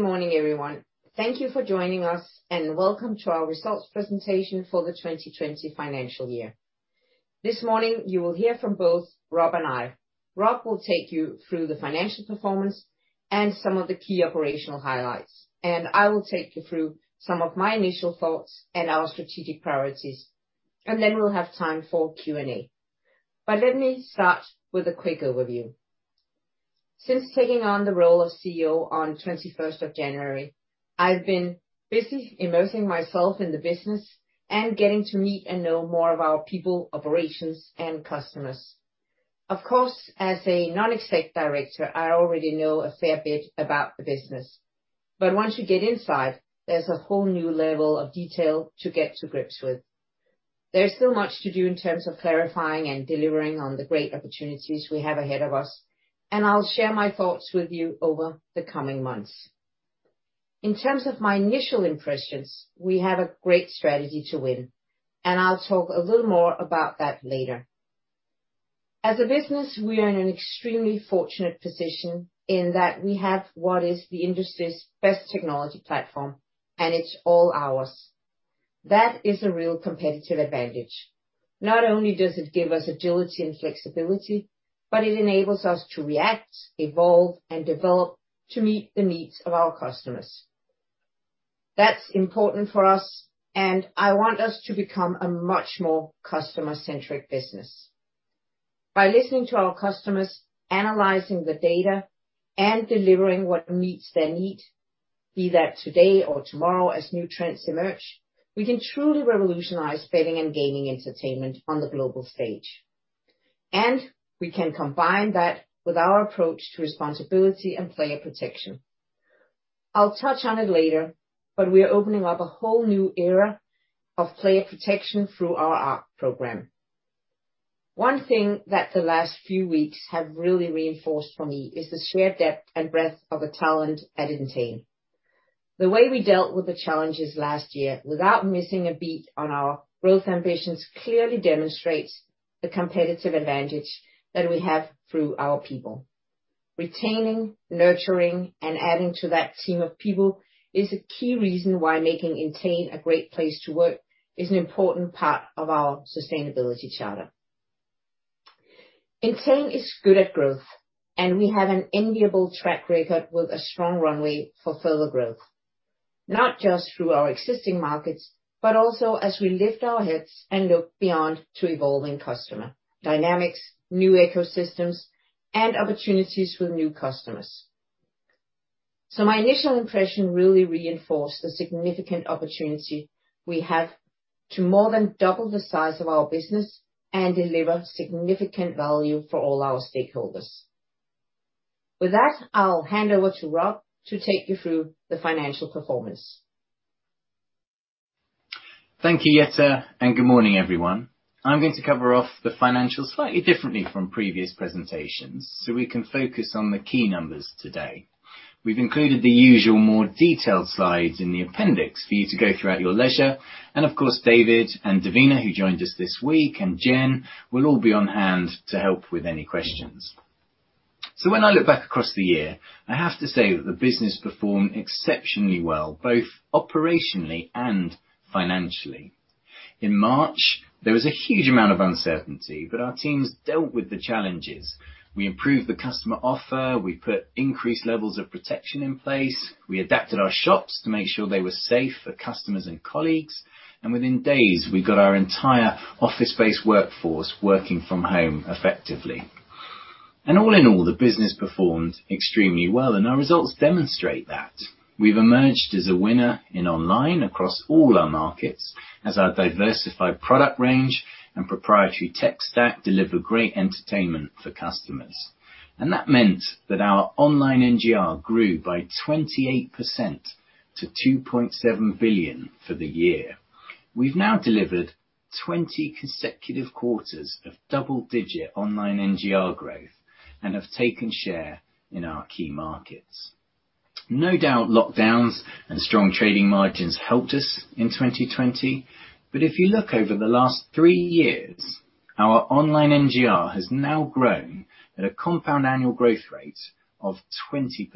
Good morning, everyone. Thank you for joining us, and welcome to our Results Presentation for the 2020 Financial Year. This morning, you will hear from both Rob and I. Rob will take you through the financial performance and some of the key operational highlights, and I will take you through some of my initial thoughts and our strategic priorities, and then we'll have time for Q&A. But let me start with a quick overview. Since taking on the role of CEO on 21st of January, I've been busy immersing myself in the business and getting to meet and know more of our people, operations, and customers. Of course, as a non-exec director, I already know a fair bit about the business, but once you get inside, there's a whole new level of detail to get to grips with. There's still much to do in terms of clarifying and delivering on the great opportunities we have ahead of us, and I'll share my thoughts with you over the coming months. In terms of my initial impressions, we have a great strategy to win, and I'll talk a little more about that later. As a business, we are in an extremely fortunate position in that we have what is the industry's best technology platform, and it's all ours. That is a real competitive advantage. Not only does it give us agility and flexibility, but it enables us to react, evolve, and develop to meet the needs of our customers. That's important for us, and I want us to become a much more customer-centric business. By listening to our customers, analyzing the data, and delivering what meets their need, be that today or tomorrow as new trends emerge, we can truly revolutionize betting and gaming entertainment on the global stage, and we can combine that with our approach to responsibility and player protection. I'll touch on it later, but we are opening up a whole new era of player protection through our ARC program. One thing that the last few weeks have really reinforced for me is the shared depth and breadth of the talent at Entain. The way we dealt with the challenges last year without missing a beat on our growth ambitions clearly demonstrates the competitive advantage that we have through our people. Retaining, nurturing, and adding to that team of people is a key reason why making Entain a great place to work is an important part of our sustainability charter. Entain is good at growth, and we have an enviable track record with a strong runway for further growth, not just through our existing markets, but also as we lift our heads and look beyond to evolving customer dynamics, new ecosystems, and opportunities with new customers. So my initial impression really reinforced the significant opportunity we have to more than double the size of our business and deliver significant value for all our stakeholders. With that, I'll hand over to Rob to take you through the financial performance. Thank you, Jette, and good morning, everyone. I'm going to cover off the financials slightly differently from previous presentations so we can focus on the key numbers today. We've included the usual more detailed slides in the appendix for you to go through at your leisure, and of course, David and Davina, who joined us this week, and Jen, will all be on hand to help with any questions. So when I look back across the year, I have to say that the business performed exceptionally well, both operationally and financially. In March, there was a huge amount of uncertainty, but our teams dealt with the challenges. We improved the customer offer, we put increased levels of protection in place, we adapted our shops to make sure they were safe for customers and colleagues, and within days, we got our entire office-based workforce working from home effectively. All in all, the business performed extremely well, and our results demonstrate that. We've emerged as a winner in online across all our markets as our diversified product range and proprietary tech stack deliver great entertainment for customers. That meant that our online NGR grew by 28% to 2.7 billion for the year. We've now delivered 20 consecutive quarters of double-digit online NGR growth and have taken share in our key markets. No doubt, lockdowns and strong trading margins helped us in 2020, but if you look over the last three years, our online NGR has now grown at a compound annual growth rate of 20%.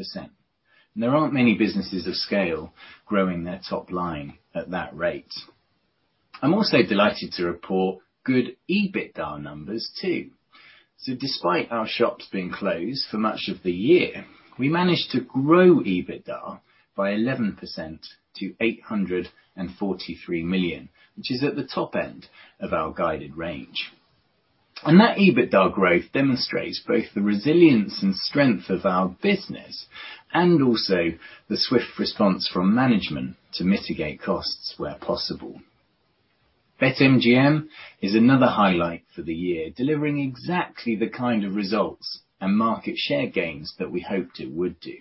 There aren't many businesses of scale growing their top line at that rate. I'm also delighted to report good EBITDA numbers too. So despite our shops being closed for much of the year, we managed to grow EBITDA by 11% to 843 million, which is at the top end of our guided range. And that EBITDA growth demonstrates both the resilience and strength of our business and also the swift response from management to mitigate costs where possible. BetMGM is another highlight for the year, delivering exactly the kind of results and market share gains that we hoped it would do.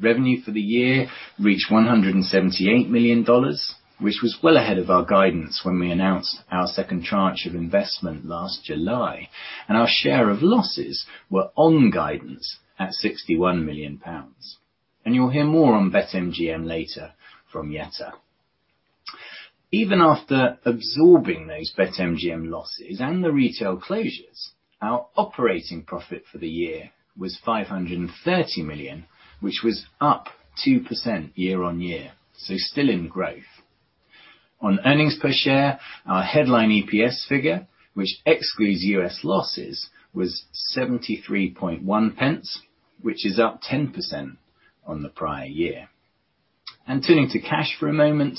Revenue for the year reached $178 million, which was well ahead of our guidance when we announced our second tranche of investment last July, and our share of losses were on guidance at 61 million pounds. And you'll hear more on BetMGM later from Jette. Even after absorbing those BetMGM losses and the retail closures, our operating profit for the year was 530 million, which was up 2% year-on-year, so still in growth. On earnings per share, our headline EPS figure, which excludes U.S. losses, was 0.731, which is up 10% on the prior year, and turning to cash for a moment,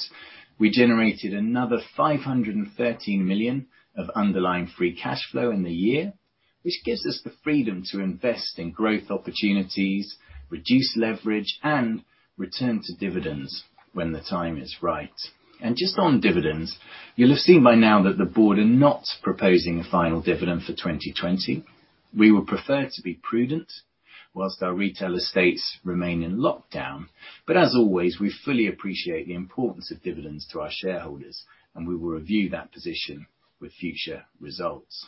we generated another 513 million of underlying free cash flow in the year, which gives us the freedom to invest in growth opportunities, reduce leverage, and return to dividends when the time is right, and just on dividends, you'll have seen by now that the board are not proposing a final dividend for 2020. We would prefer to be prudent while our retail estates remain in lockdown, but as always, we fully appreciate the importance of dividends to our shareholders, and we will review that position with future results.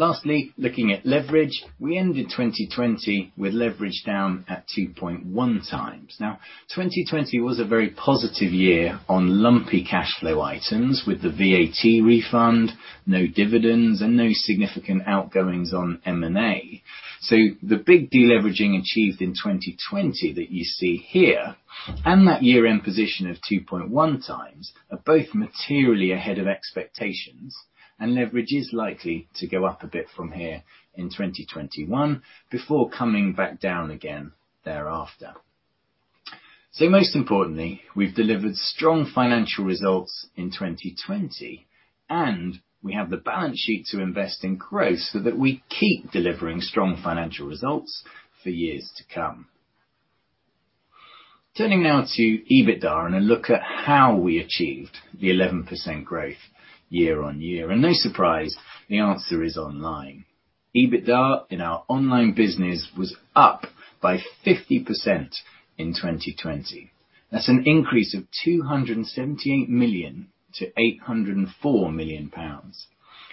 Lastly, looking at leverage, we ended 2020 with leverage down at 2.1x. Now, 2020 was a very positive year on lumpy cash flow items with the VAT refund, no dividends, and no significant outgoings on M&A. So the big deleveraging achieved in 2020 that you see here, and that year-end position of 2.1x, are both materially ahead of expectations, and leverage is likely to go up a bit from here in 2021 before coming back down again thereafter. So most importantly, we've delivered strong financial results in 2020, and we have the balance sheet to invest in growth so that we keep delivering strong financial results for years to come. Turning now to EBITDA and a look at how we achieved the 11% growth year-on-year, and no surprise, the answer is online. EBITDA in our online business was up by 50% in 2020. That's an increase of 278 million to 804 million pounds.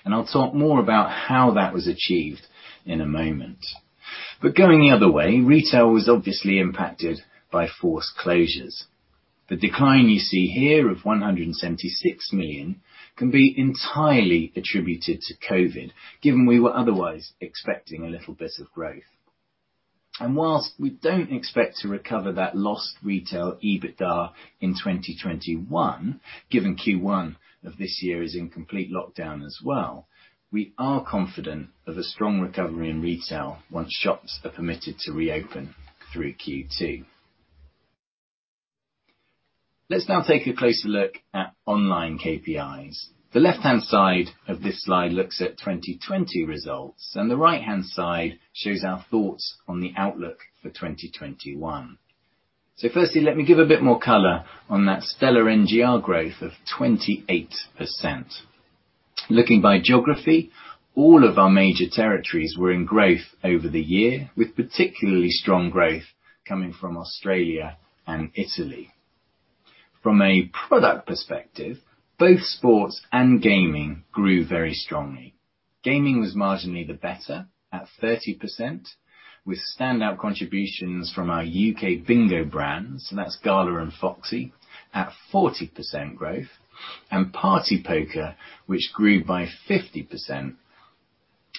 And I'll talk more about how that was achieved in a moment. But going the other way, retail was obviously impacted by forced closures. The decline you see here of 176 million can be entirely attributed to COVID, given we were otherwise expecting a little bit of growth. And while we don't expect to recover that lost retail EBITDA in 2021, given Q1 of this year is in complete lockdown as well, we are confident of a strong recovery in retail once shops are permitted to reopen through Q2. Let's now take a closer look at online KPIs. The left-hand side of this slide looks at 2020 results, and the right-hand side shows our thoughts on the outlook for 2021. So firstly, let me give a bit more color on that total NGR growth of 28%. Looking by geography, all of our major territories were in growth over the year, with particularly strong growth coming from Australia and Italy. From a product perspective, both sports and gaming grew very strongly. Gaming was marginally the better at 30%, with standout contributions from our U.K. Bingo brands, so that's Gala and Foxy, at 40% growth, and PartyPoker, which grew by 50%.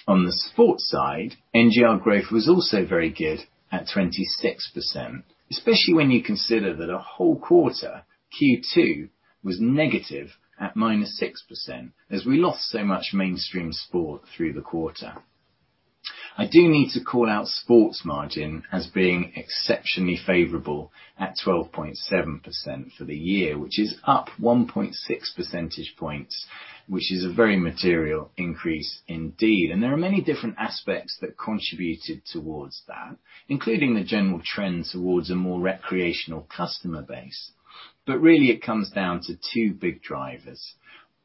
On the sports side, NGR growth was also very good at 26%, especially when you consider that a whole quarter, Q2, was negative at -6%, as we lost so much mainstream sport through the quarter. I do need to call out sports margin as being exceptionally favorable at 12.7% for the year, which is up 1.6 percentage points, which is a very material increase indeed. And there are many different aspects that contributed towards that, including the general trend towards a more recreational customer base. But really, it comes down to two big drivers.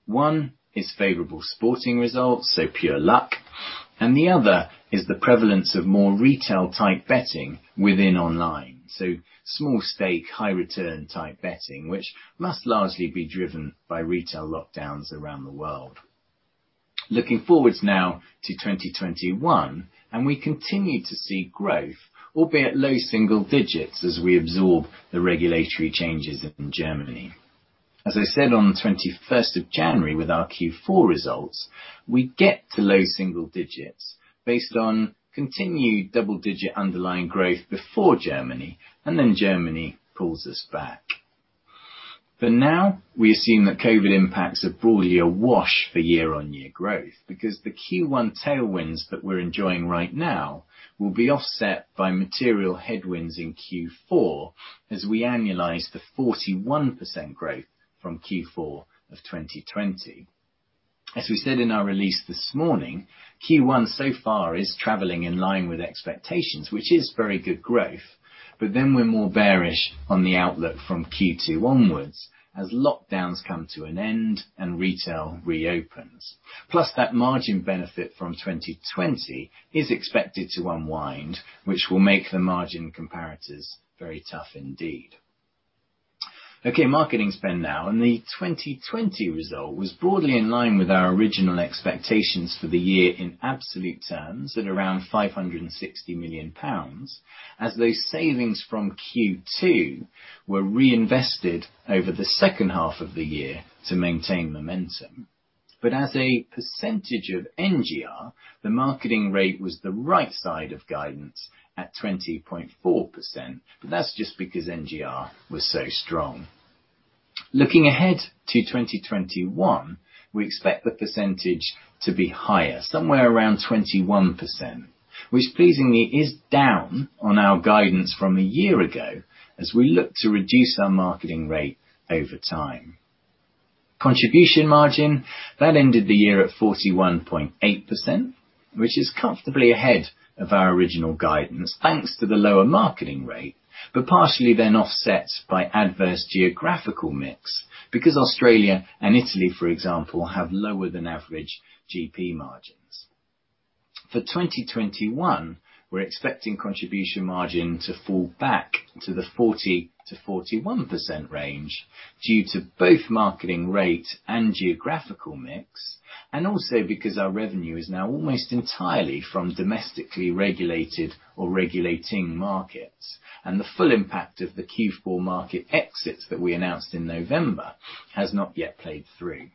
One is favorable sporting results, so pure luck, and the other is the prevalence of more retail-type betting within online, so small stake, high-return-type betting, which must largely be driven by retail lockdowns around the world. Looking forward now to 2021, and we continue to see growth, albeit low single digits as we absorb the regulatory changes in Germany. As I said on the 21st of January with our Q4 results, we get to low single digits based on continued double-digit underlying growth before Germany, and then Germany pulls us back. For now, we assume that COVID impacts are broadly a wash for year-on-year growth because the Q1 tailwinds that we're enjoying right now will be offset by material headwinds in Q4 as we annualize the 41% growth from Q4 of 2020. As we said in our release this morning, Q1 so far is traveling in line with expectations, which is very good growth, but then we're more bearish on the outlook from Q2 onwards as lockdowns come to an end and retail reopens. Plus, that margin benefit from 2020 is expected to unwind, which will make the margin comparators very tough indeed. Okay, marketing spend now, and the 2020 result was broadly in line with our original expectations for the year in absolute terms at around 560 million pounds, as those savings from Q2 were reinvested over the second half of the year to maintain momentum. But as a percentage of NGR, the marketing rate was the right side of guidance at 20.4%, but that's just because NGR was so strong. Looking ahead to 2021, we expect the percentage to be higher, somewhere around 21%, which pleasingly is down on our guidance from a year ago as we look to reduce our marketing rate over time. Contribution margin, that ended the year at 41.8%, which is comfortably ahead of our original guidance thanks to the lower marketing rate, but partially then offset by adverse geographical mix because Australia and Italy, for example, have lower than average GP margins. For 2021, we're expecting contribution margin to fall back to the 40% to 41% range due to both marketing rate and geographical mix, and also because our revenue is now almost entirely from domestically regulated or regulating markets, and the full impact of the Q4 market exits that we announced in November has not yet played through.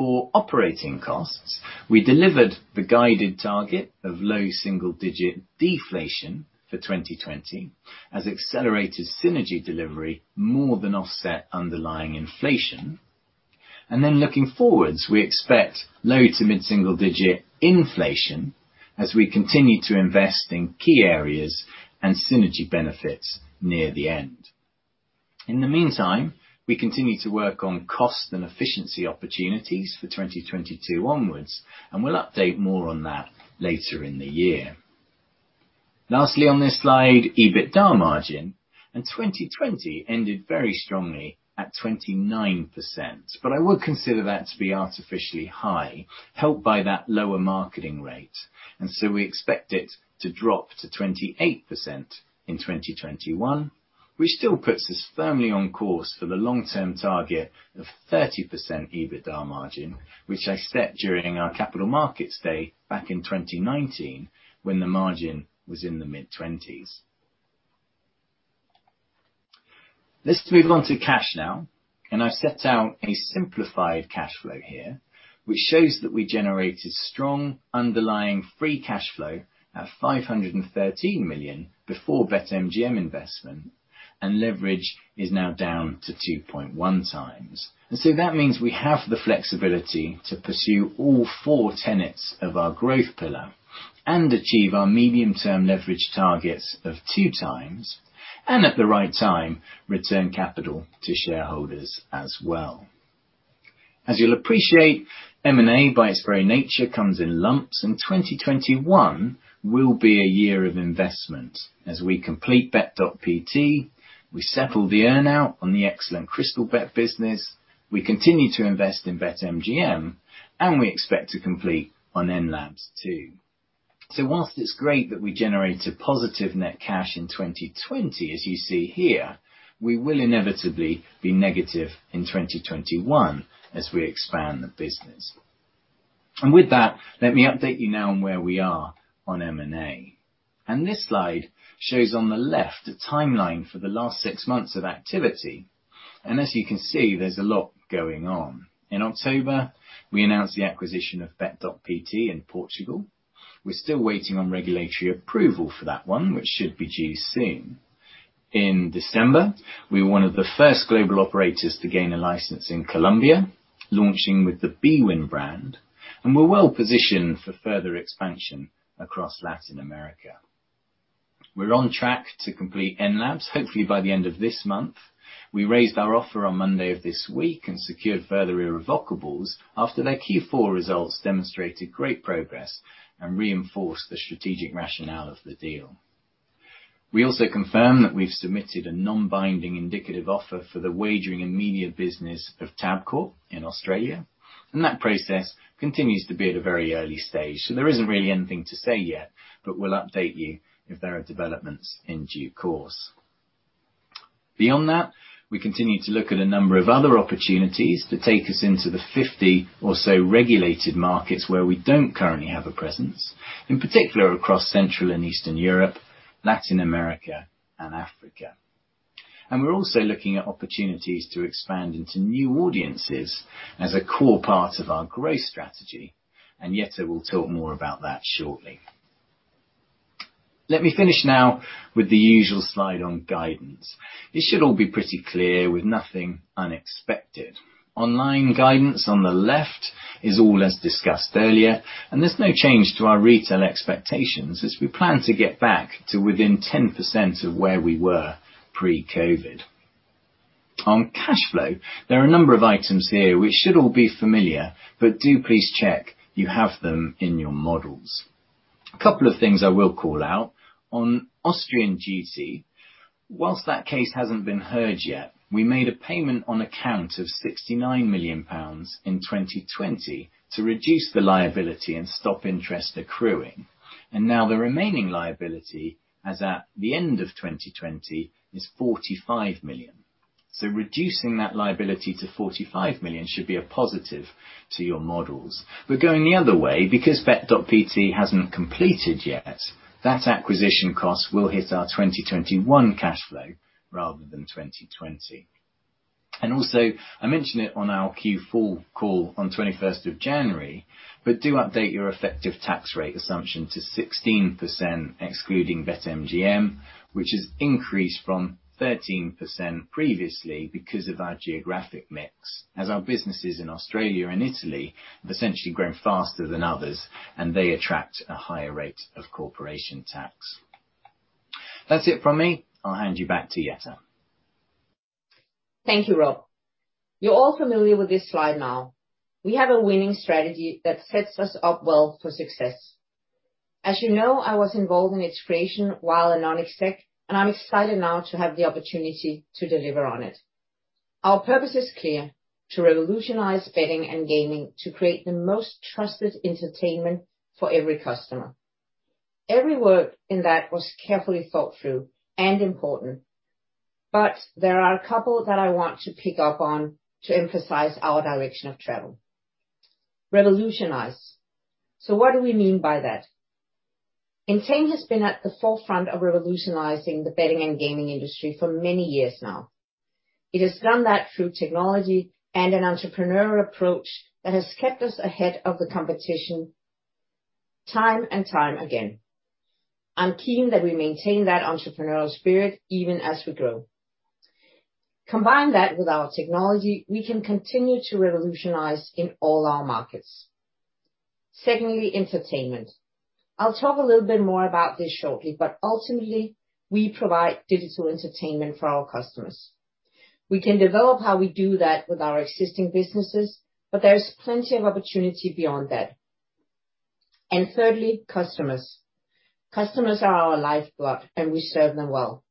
For operating costs, we delivered the guided target of low single-digit deflation for 2020 as accelerated synergy delivery more than offset underlying inflation, and then looking forwards, we expect low to mid-single-digit inflation as we continue to invest in key areas and synergy benefits near the end. In the meantime, we continue to work on cost and efficiency opportunities for 2022 onwards, and we'll update more on that later in the year. Lastly, on this slide, EBITDA margin and 2020 ended very strongly at 29%, but I would consider that to be artificially high, helped by that lower marketing rate, and so we expect it to drop to 28% in 2021, which still puts us firmly on course for the long-term target of 30% EBITDA margin, which I set during our capital markets day back in 2019 when the margin was in the mid-20s. Let's move on to cash now, and I've set out a simplified cash flow here, which shows that we generated strong underlying free cash flow at 513 million before BetMGM investment, and leverage is now down to 2.1x. And so that means we have the flexibility to pursue all four tenets of our growth pillar and achieve our medium-term leverage targets of 2x, and at the right time, return capital to shareholders as well. As you'll appreciate, M&A by its very nature comes in lumps, and 2021 will be a year of investment as we complete Bet.pt, we settle the earnout on the excellent Crystalbet business, we continue to invest in BetMGM, and we expect to complete on Enlabs too. Whilst it's great that we generated positive net cash in 2020, as you see here, we will inevitably be negative in 2021 as we expand the business. With that, let me update you now on where we are on M&A. This slide shows on the left a timeline for the last six months of activity. As you can see, there's a lot going on. In October, we announced the acquisition of Bet.pt in Portugal. We're still waiting on regulatory approval for that one, which should be due soon. In December, we were one of the first global operators to gain a license in Colombia, launching with the Bwin brand, and we're well positioned for further expansion across Latin America. We're on track to complete Enlabs, hopefully by the end of this month. We raised our offer on Monday of this week and secured further irrevocables after their Q4 results demonstrated great progress and reinforced the strategic rationale of the deal. We also confirm that we've submitted a non-binding indicative offer for the wagering and media business of Tabcorp in Australia, and that process continues to be at a very early stage, so there isn't really anything to say yet, but we'll update you if there are developments in due course. Beyond that, we continue to look at a number of other opportunities to take us into the 50 or so regulated markets where we don't currently have a presence, in particular across Central and Eastern Europe, Latin America, and Africa, and we're also looking at opportunities to expand into new audiences as a core part of our growth strategy, and Jette will talk more about that shortly. Let me finish now with the usual slide on guidance. This should all be pretty clear with nothing unexpected. Online guidance on the left is all as discussed earlier, and there's no change to our retail expectations as we plan to get back to within 10% of where we were pre-COVID. On cash flow, there are a number of items here which should all be familiar, but do please check you have them in your models. A couple of things I will call out. On Austrian duty, whilst that case hasn't been heard yet, we made a payment on account of 69 million pounds in 2020 to reduce the liability and stop interest accruing, and now the remaining liability as at the end of 2020 is 45 million, so reducing that liability to 45 million should be a positive to your models. But going the other way, because Bet.pt hasn't completed yet, that acquisition cost will hit our 2021 cash flow rather than 2020. And also, I mentioned it on our Q4 call on 21st of January, but do update your effective tax rate assumption to 16% excluding BetMGM, which has increased from 13% previously because of our geographic mix, as our businesses in Australia and Italy have essentially grown faster than others, and they attract a higher rate of corporation tax. That's it from me. I'll hand you back to Jette. Thank you, Rob. You're all familiar with this slide now. We have a winning strategy that sets us up well for success. As you know, I was involved in its creation while an non-exec, and I'm excited now to have the opportunity to deliver on it. Our purpose is clear: to revolutionize betting and gaming to create the most trusted entertainment for every customer. Every word in that was carefully thought through and important, but there are a couple that I want to pick up on to emphasize our direction of travel. Revolutionize. So what do we mean by that? Entain has been at the forefront of revolutionizing the betting and gaming industry for many years now. It has done that through technology and an entrepreneurial approach that has kept us ahead of the competition time and time again. I'm keen that we maintain that entrepreneurial spirit even as we grow. Combine that with our technology, we can continue to revolutionize in all our markets. Secondly, entertainment. I'll talk a little bit more about this shortly, but ultimately, we provide digital entertainment for our customers. We can develop how we do that with our existing businesses, but there's plenty of opportunity beyond that. And thirdly, customers. Customers are our lifeblood, and we serve them well.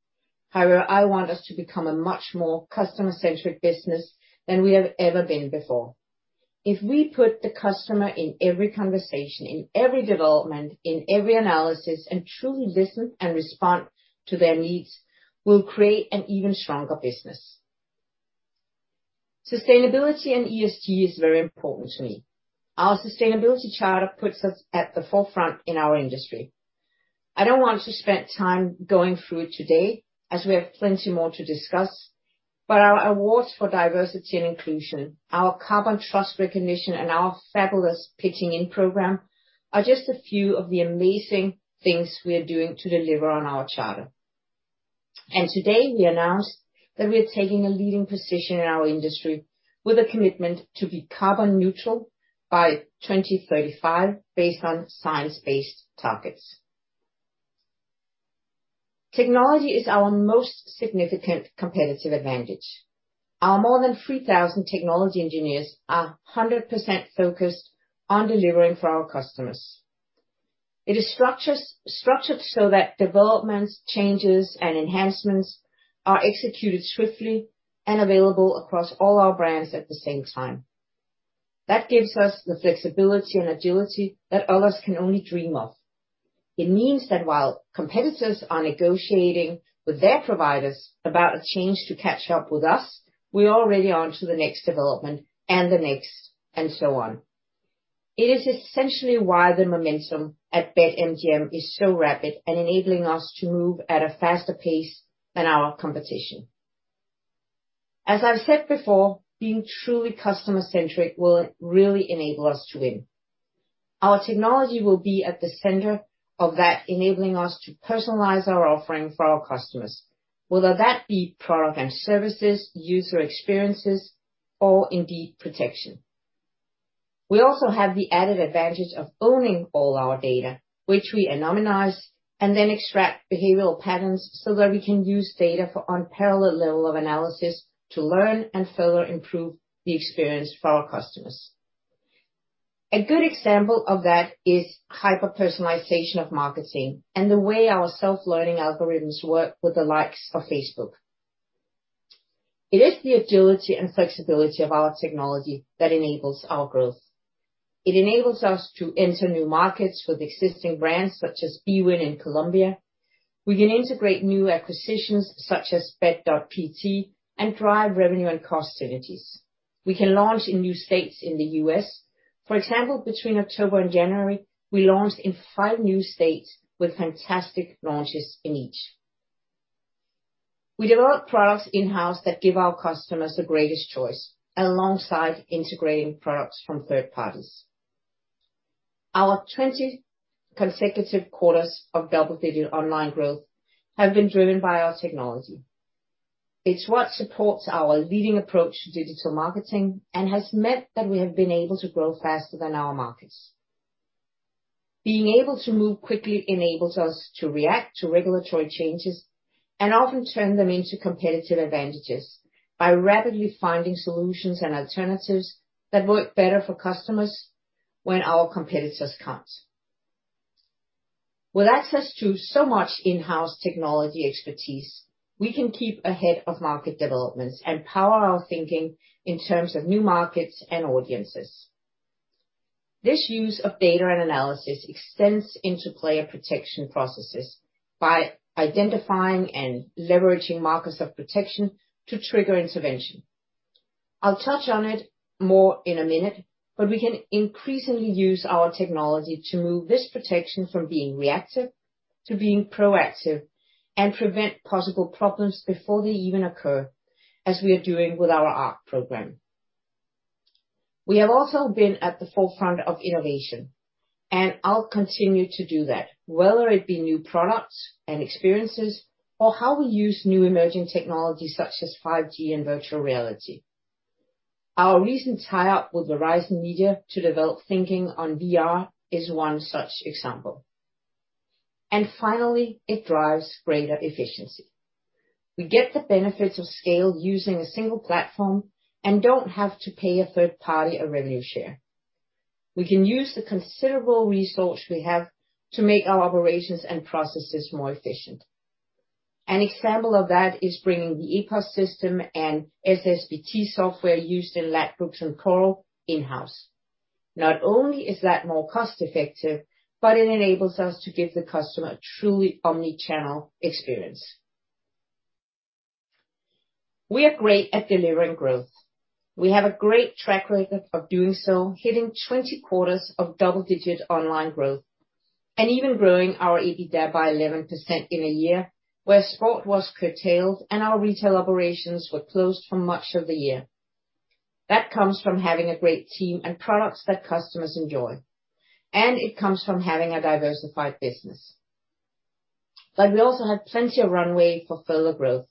However, I want us to become a much more customer-centric business than we have ever been before. If we put the customer in every conversation, in every development, in every analysis, and truly listen and respond to their needs, we'll create an even stronger business. Sustainability and ESG is very important to me. Our sustainability charter puts us at the forefront in our industry. I don't want to spend time going through it today, as we have plenty more to discuss, but our awards for diversity and inclusion, our Carbon Trust recognition, and our fabulous Pitching In program are just a few of the amazing things we are doing to deliver on our charter. Today, we announced that we are taking a leading position in our industry with a commitment to be carbon neutral by 2035 based on science-based targets. Technology is our most significant competitive advantage. Our more than 3,000 technology engineers are 100% focused on delivering for our customers. It is structured so that developments, changes, and enhancements are executed swiftly and available across all our brands at the same time. That gives us the flexibility and agility that others can only dream of. It means that while competitors are negotiating with their providers about a change to catch up with us, we're already on to the next development and the next and so on. It is essentially why the momentum at BetMGM is so rapid and enabling us to move at a faster pace than our competition. As I've said before, being truly customer-centric will really enable us to win. Our technology will be at the center of that, enabling us to personalize our offering for our customers, whether that be product and services, user experiences, or indeed protection. We also have the added advantage of owning all our data, which we anonymize and then extract behavioral patterns so that we can use data for unparalleled level of analysis to learn and further improve the experience for our customers. A good example of that is hyper-personalization of marketing and the way our self-learning algorithms work with the likes of Facebook. It is the agility and flexibility of our technology that enables our growth. It enables us to enter new markets with existing brands such as Bwin and Colombia. We can integrate new acquisitions such as Bet.pt and drive revenue and cost synergies. We can launch in new states in the U.S. For example, between October and January, we launched in five new states with fantastic launches in each. We develop products in-house that give our customers the greatest choice alongside integrating products from third parties. Our 20 consecutive quarters of double-digit online growth have been driven by our technology. It's what supports our leading approach to digital marketing and has meant that we have been able to grow faster than our markets. Being able to move quickly enables us to react to regulatory changes and often turn them into competitive advantages by rapidly finding solutions and alternatives that work better for customers when our competitors can't. With access to so much in-house technology expertise, we can keep ahead of market developments and power our thinking in terms of new markets and audiences. This use of data and analysis extends into player protection processes by identifying and leveraging markers of protection to trigger intervention. I'll touch on it more in a minute, but we can increasingly use our technology to move this protection from being reactive to being proactive and prevent possible problems before they even occur, as we are doing with our ARC program. We have also been at the forefront of innovation, and I'll continue to do that, whether it be new products and experiences or how we use new emerging technologies such as 5G and virtual reality. Our recent tie-up with Verizon Media to develop thinking on VR is one such example, and finally, it drives greater efficiency. We get the benefits of scale using a single platform and don't have to pay a third party a revenue share. We can use the considerable resource we have to make our operations and processes more efficient. An example of that is bringing the EPOS system and SSBT software used in Ladbrokes and Coral in-house. Not only is that more cost-effective, but it enables us to give the customer a truly omni-channel experience. We are great at delivering growth. We have a great track record of doing so, hitting 20 quarters of double-digit online growth and even growing our EBITDA by 11% in a year where sport was curtailed and our retail operations were closed for much of the year. That comes from having a great team and products that customers enjoy, and it comes from having a diversified business. But we also have plenty of runway for further growth.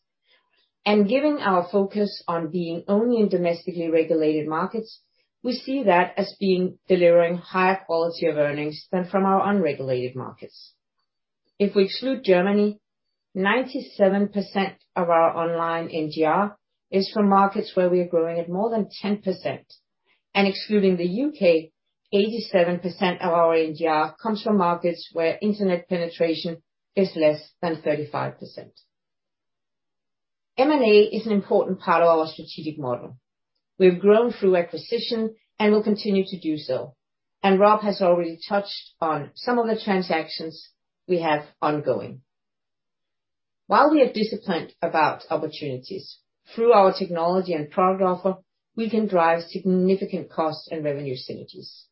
And given our focus on being only in domestically regulated markets, we see that as being delivering higher quality of earnings than from our unregulated markets. If we exclude Germany, 97% of our online NGR is from markets where we are growing at more than 10%. And excluding the U.K., 87% of our NGR comes from markets where internet penetration is less than 35%. M&A is an important part of our strategic model. We have grown through acquisition and will continue to do so. And Rob has already touched on some of the transactions we have ongoing. While we are disciplined about opportunities, through our technology and product offer, we can drive significant cost and revenue synergies.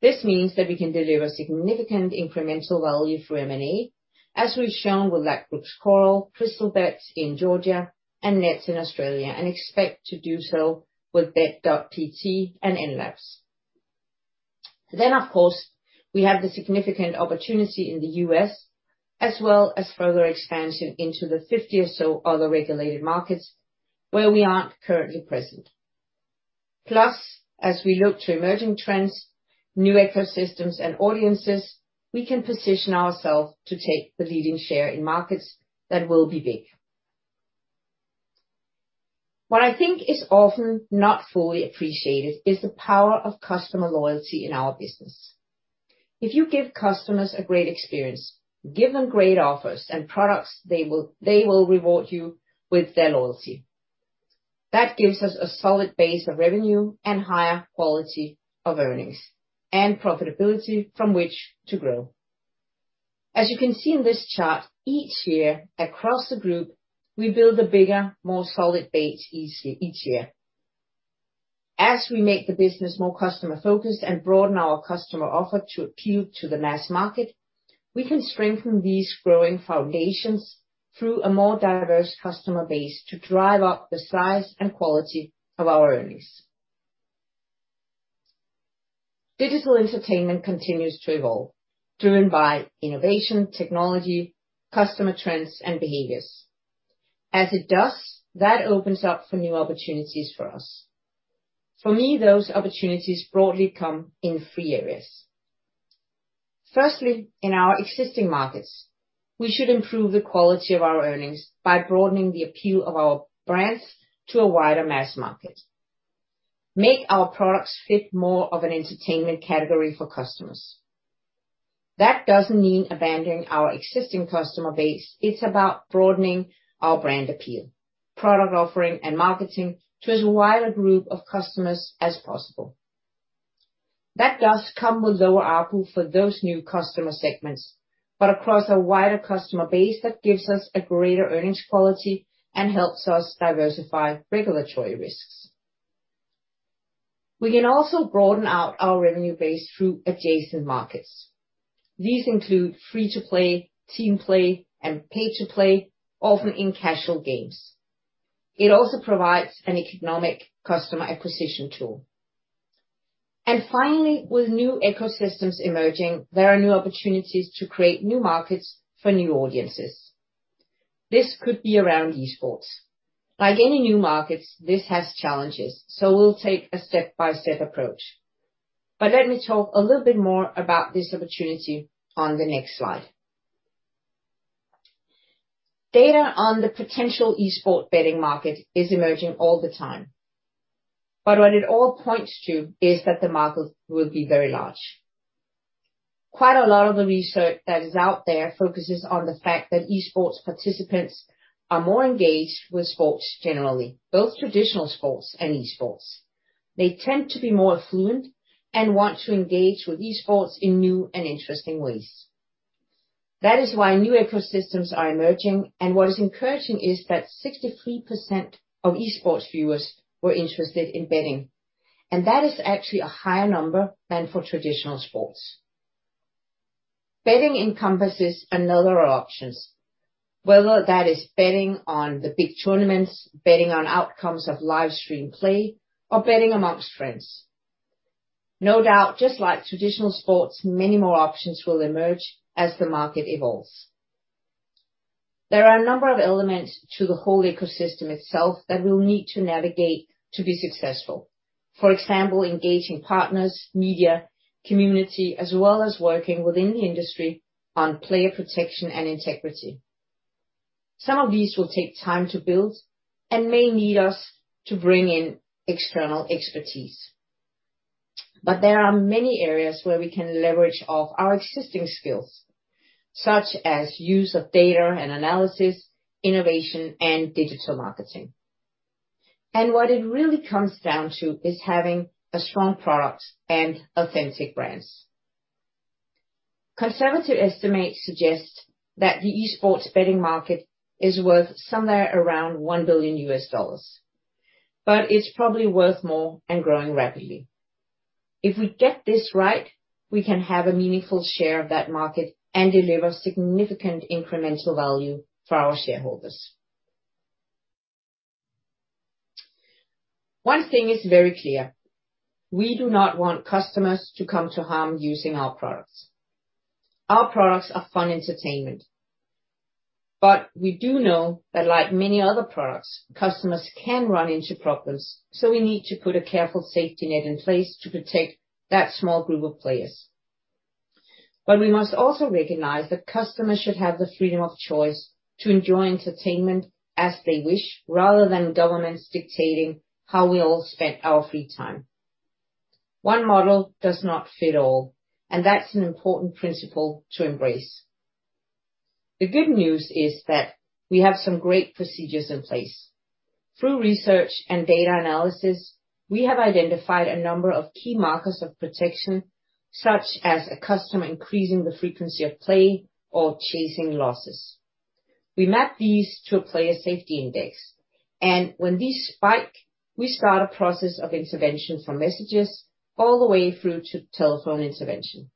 This means that we can deliver significant incremental value through M&A, as we've shown with Ladbrokes Coral, Crystalbet in Georgia, and Neds in Australia, and expect to do so with Bet.pt and Enlabs. Then, of course, we have the significant opportunity in the US, as well as further expansion into the 50 or so other regulated markets where we aren't currently present. Plus, as we look to emerging trends, new ecosystems, and audiences, we can position ourselves to take the leading share in markets that will be big. What I think is often not fully appreciated is the power of customer loyalty in our business. If you give customers a great experience, give them great offers and products, they will reward you with their loyalty. That gives us a solid base of revenue and higher quality of earnings and profitability from which to grow. As you can see in this chart, each year across the group, we build a bigger, more solid base each year. As we make the business more customer-focused and broaden our customer offer to appeal to the mass market, we can strengthen these growing foundations through a more diverse customer base to drive up the size and quality of our earnings. Digital entertainment continues to evolve, driven by innovation, technology, customer trends, and behaviors. As it does, that opens up for new opportunities for us. For me, those opportunities broadly come in three areas. Firstly, in our existing markets, we should improve the quality of our earnings by broadening the appeal of our brands to a wider mass market. Make our products fit more of an entertainment category for customers. That doesn't mean abandoning our existing customer base. It's about broadening our brand appeal, product offering, and marketing to as wide a group of customers as possible. That does come with lower output for those new customer segments, but across a wider customer base that gives us a greater earnings quality and helps us diversify regulatory risks. We can also broaden out our revenue base through adjacent markets. These include free-to-play, team play, and pay-to-play, often in casual games. It also provides an economic customer acquisition tool. And finally, with new ecosystems emerging, there are new opportunities to create new markets for new audiences. This could be around eSports. Like any new markets, this has challenges, so we'll take a step-by-step approach. But let me talk a little bit more about this opportunity on the next slide. Data on the potential eSports betting market is emerging all the time. But what it all points to is that the market will be very large. Quite a lot of the research that is out there focuses on the fact that eSports participants are more engaged with sports generally, both traditional sports and eSports. They tend to be more affluent and want to engage with eSports in new and interesting ways. That is why new ecosystems are emerging, and what is encouraging is that 63% of eSports viewers were interested in betting. And that is actually a higher number than for traditional sports. Betting encompasses a number of options, whether that is betting on the big tournaments, betting on outcomes of live-stream play, or betting amongst friends. No doubt, just like traditional sports, many more options will emerge as the market evolves. There are a number of elements to the whole ecosystem itself that we'll need to navigate to be successful. For example, engaging partners, media, community, as well as working within the industry on player protection and integrity. Some of these will take time to build and may need us to bring in external expertise. But there are many areas where we can leverage our existing skills, such as use of data and analysis, innovation, and digital marketing. And what it really comes down to is having a strong product and authentic brands. Conservative estimates suggest that the eSports betting market is worth somewhere around $1 billion, but it's probably worth more and growing rapidly. If we get this right, we can have a meaningful share of that market and deliver significant incremental value for our shareholders. One thing is very clear. We do not want customers to come to harm using our products. Our products are fun entertainment. But we do know that, like many other products, customers can run into problems, so we need to put a careful safety net in place to protect that small group of players. But we must also recognize that customers should have the freedom of choice to enjoy entertainment as they wish, rather than governments dictating how we all spend our free time. One model does not fit all, and that's an important principle to embrace. The good news is that we have some great procedures in place. Through research and data analysis, we have identified a number of key Markers of Protection, such as a customer increasing the frequency of play or chasing losses. We map these to a Player Safety Index, and when these spike, we start a process of intervention from messages all the way through to telephone intervention.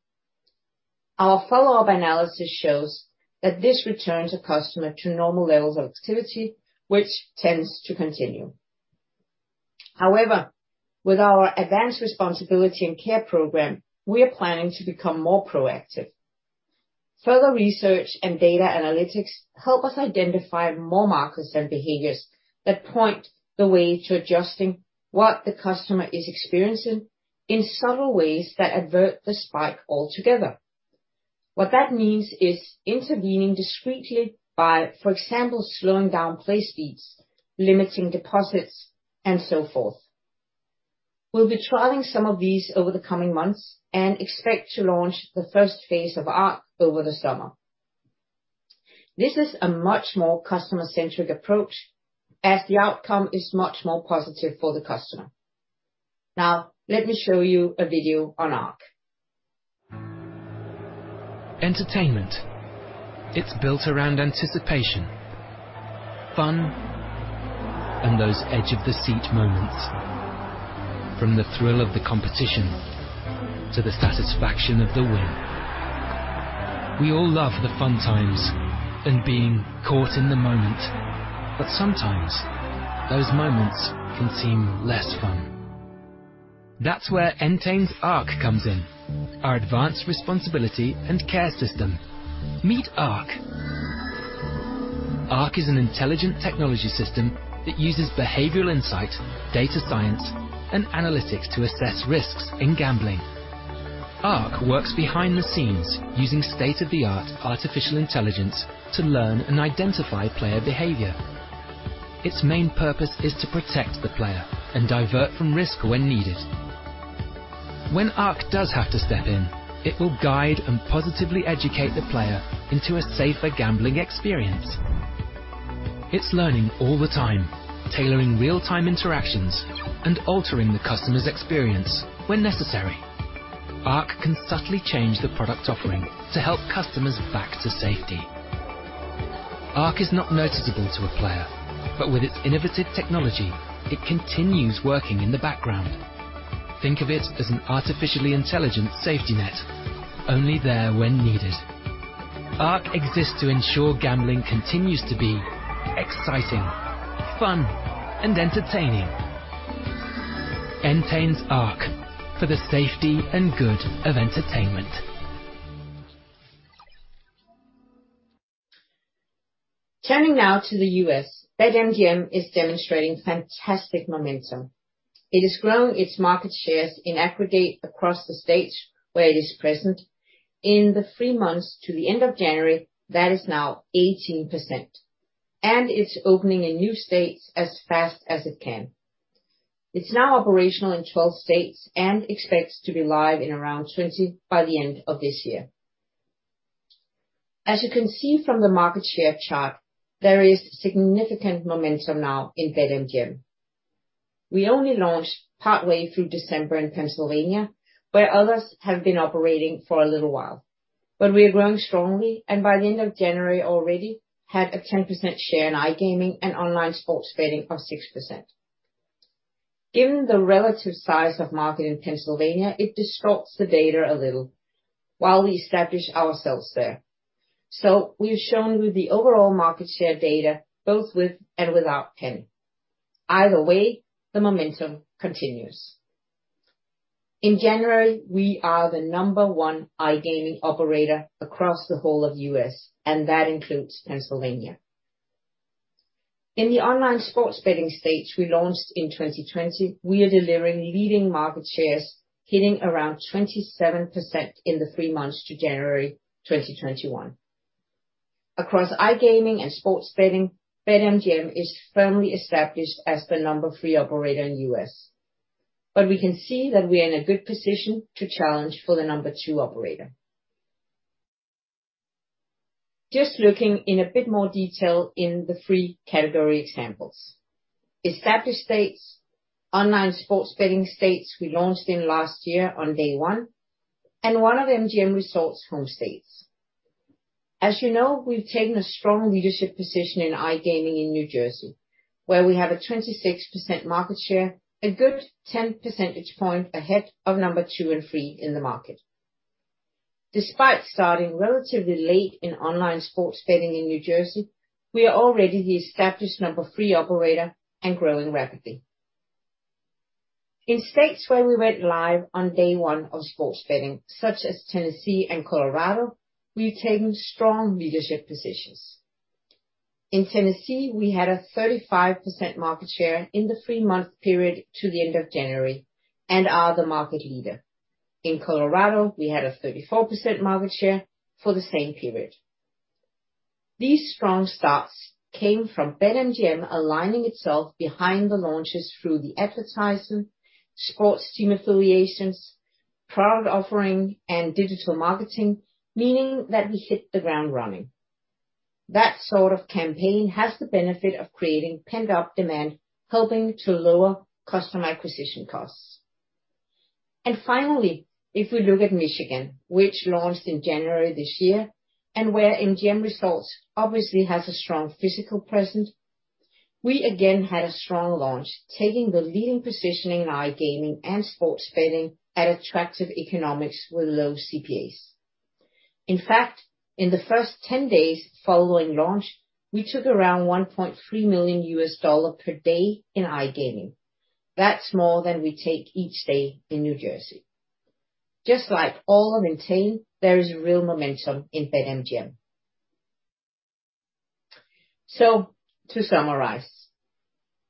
Our follow-up analysis shows that this returns a customer to normal levels of activity, which tends to continue. However, with our Advanced Responsibility and Care program, we are planning to become more proactive. Further research and data analytics help us identify more markers and behaviors that point the way to adjusting what the customer is experiencing in subtle ways that avert the spike altogether. What that means is intervening discreetly by, for example, slowing down play speeds, limiting deposits, and so forth. We'll be trialing some of these over the coming months and expect to launch the first phase of ARC over the summer. This is a much more customer-centric approach, as the outcome is much more positive for the customer. Now, let me show you a video on ARC. Entertainment. It's built around anticipation, fun, and those edge-of-the-seat moments. From the thrill of the competition to the satisfaction of the win. We all love the fun times and being caught in the moment, but sometimes those moments can seem less fun. That's where Entain's ARC comes in, our advanced responsibility and care system. Meet ARC. ARC is an intelligent technology system that uses behavioral insight, data science, and analytics to assess risks in gambling. ARC works behind the scenes using state-of-the-art artificial intelligence to learn and identify player behavior. Its main purpose is to protect the player and divert from risk when needed. When ARC does have to step in, it will guide and positively educate the player into a safer gambling experience. It's learning all the time, tailoring real-time interactions, and altering the customer's experience when necessary. ARC can subtly change the product offering to help customers back to safety. ARC is not noticeable to a player, but with its innovative technology, it continues working in the background. Think of it as an artificially intelligent safety net, only there when needed. ARC exists to ensure gambling continues to be exciting, fun, and entertaining. Entain's ARC for the safety and good of entertainment. Turning now to the U.S., BetMGM is demonstrating fantastic momentum. It is growing its market shares in aggregate across the states where it is present. In the three months to the end of January, that is now 18%, and it's opening in new states as fast as it can. It's now operational in 12 states and expects to be live in around 20 by the end of this year. As you can see from the market share chart, there is significant momentum now in BetMGM. We only launched partway through December in Pennsylvania, where others have been operating for a little while. But we are growing strongly, and by the end of January already had a 10% share in iGaming and online sports betting of 6%. Given the relative size of market in Pennsylvania, it distorts the data a little while we establish ourselves there. So we've shown with the overall market share data, both with and without penn. Either way, the momentum continues. In January, we are the number one iGaming operator across the whole of the U.S., and that includes Pennsylvania. In the online sports betting states we launched in 2020, we are delivering leading market shares hitting around 27% in the three months to January 2021. Across iGaming and sports betting, BetMGM is firmly established as the number three operator in the U.S. We can see that we are in a good position to challenge for the number two operator. Just looking in a bit more detail in the three category examples: established states, online sports betting states we launched in last year on day one, and one of MGM Resorts' home states. As you know, we've taken a strong leadership position in iGaming in New Jersey, where we have a 26% market share, a good 10 percentage points ahead of number two and three in the market. Despite starting relatively late in online sports betting in New Jersey, we are already the established number three operator and growing rapidly. In states where we went live on day one of sports betting, such as Tennessee and Colorado, we've taken strong leadership positions. In Tennessee, we had a 35% market share in the three-month period to the end of January and are the market leader. In Colorado, we had a 34% market share for the same period. These strong starts came from BetMGM aligning itself behind the launches through the advertisement, sports team affiliations, product offering, and digital marketing, meaning that we hit the ground running. That sort of campaign has the benefit of creating pent-up demand, helping to lower customer acquisition costs. And finally, if we look at Michigan, which launched in January this year and where MGM Resorts obviously has a strong physical presence, we again had a strong launch, taking the leading position in iGaming and sports betting at attractive economics with low CPAs. In fact, in the first 10 days following launch, we took around $1.3 million per day in iGaming. That's more than we take each day in New Jersey. Just like all of Entain, there is real momentum in BetMGM. So, to summarize,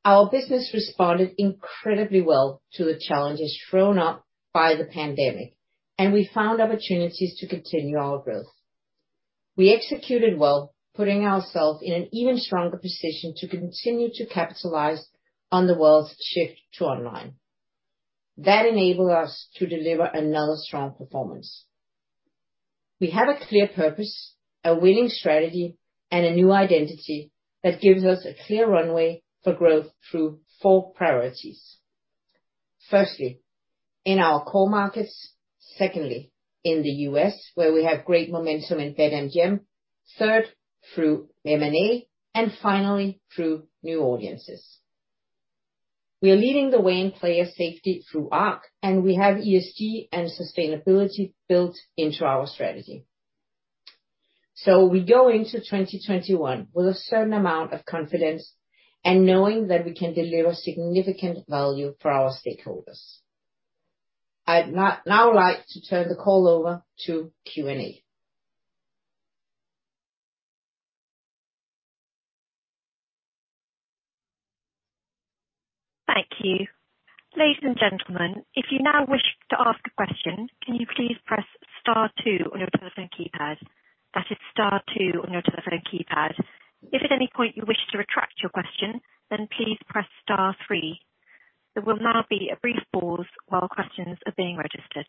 our business responded incredibly well to the challenges thrown up by the pandemic, and we found opportunities to continue our growth. We executed well, putting ourselves in an even stronger position to continue to capitalize on the world's shift to online. That enabled us to deliver another strong performance. We have a clear purpose, a winning strategy, and a new identity that gives us a clear runway for growth through four priorities. Firstly, in our core markets. Secondly, in the U.S., where we have great momentum in BetMGM. Third, through M&A, and finally, through new audiences. We are leading the way in player safety through ARC, and we have ESG and sustainability built into our strategy. So we go into 2021 with a certain amount of confidence and knowing that we can deliver significant value for our stakeholders. I'd now like to turn the call over to Q&A. Thank you. Ladies and gentlemen, if you now wish to ask a question, can you please press star two on your telephone keypad? That is star two on your telephone keypad. If at any point you wish to retract your question, then please press star three. There will now be a brief pause while questions are being registered.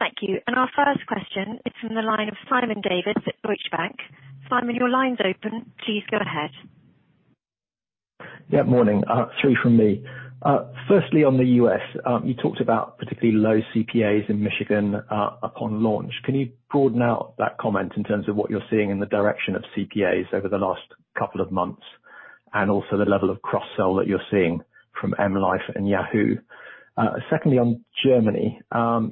Thank you. And our first question, it's from the line of Simon Davies at Deutsche Bank. Simon, your line's open. Please go ahead. Yeah, morning. Three from me. Firstly, on the U.S., you talked about particularly low CPAs in Michigan upon launch. Can you broaden out that comment in terms of what you're seeing in the direction of CPAs over the last couple of months and also the level of cross-sell that you're seeing from M life and Yahoo? Secondly, on Germany,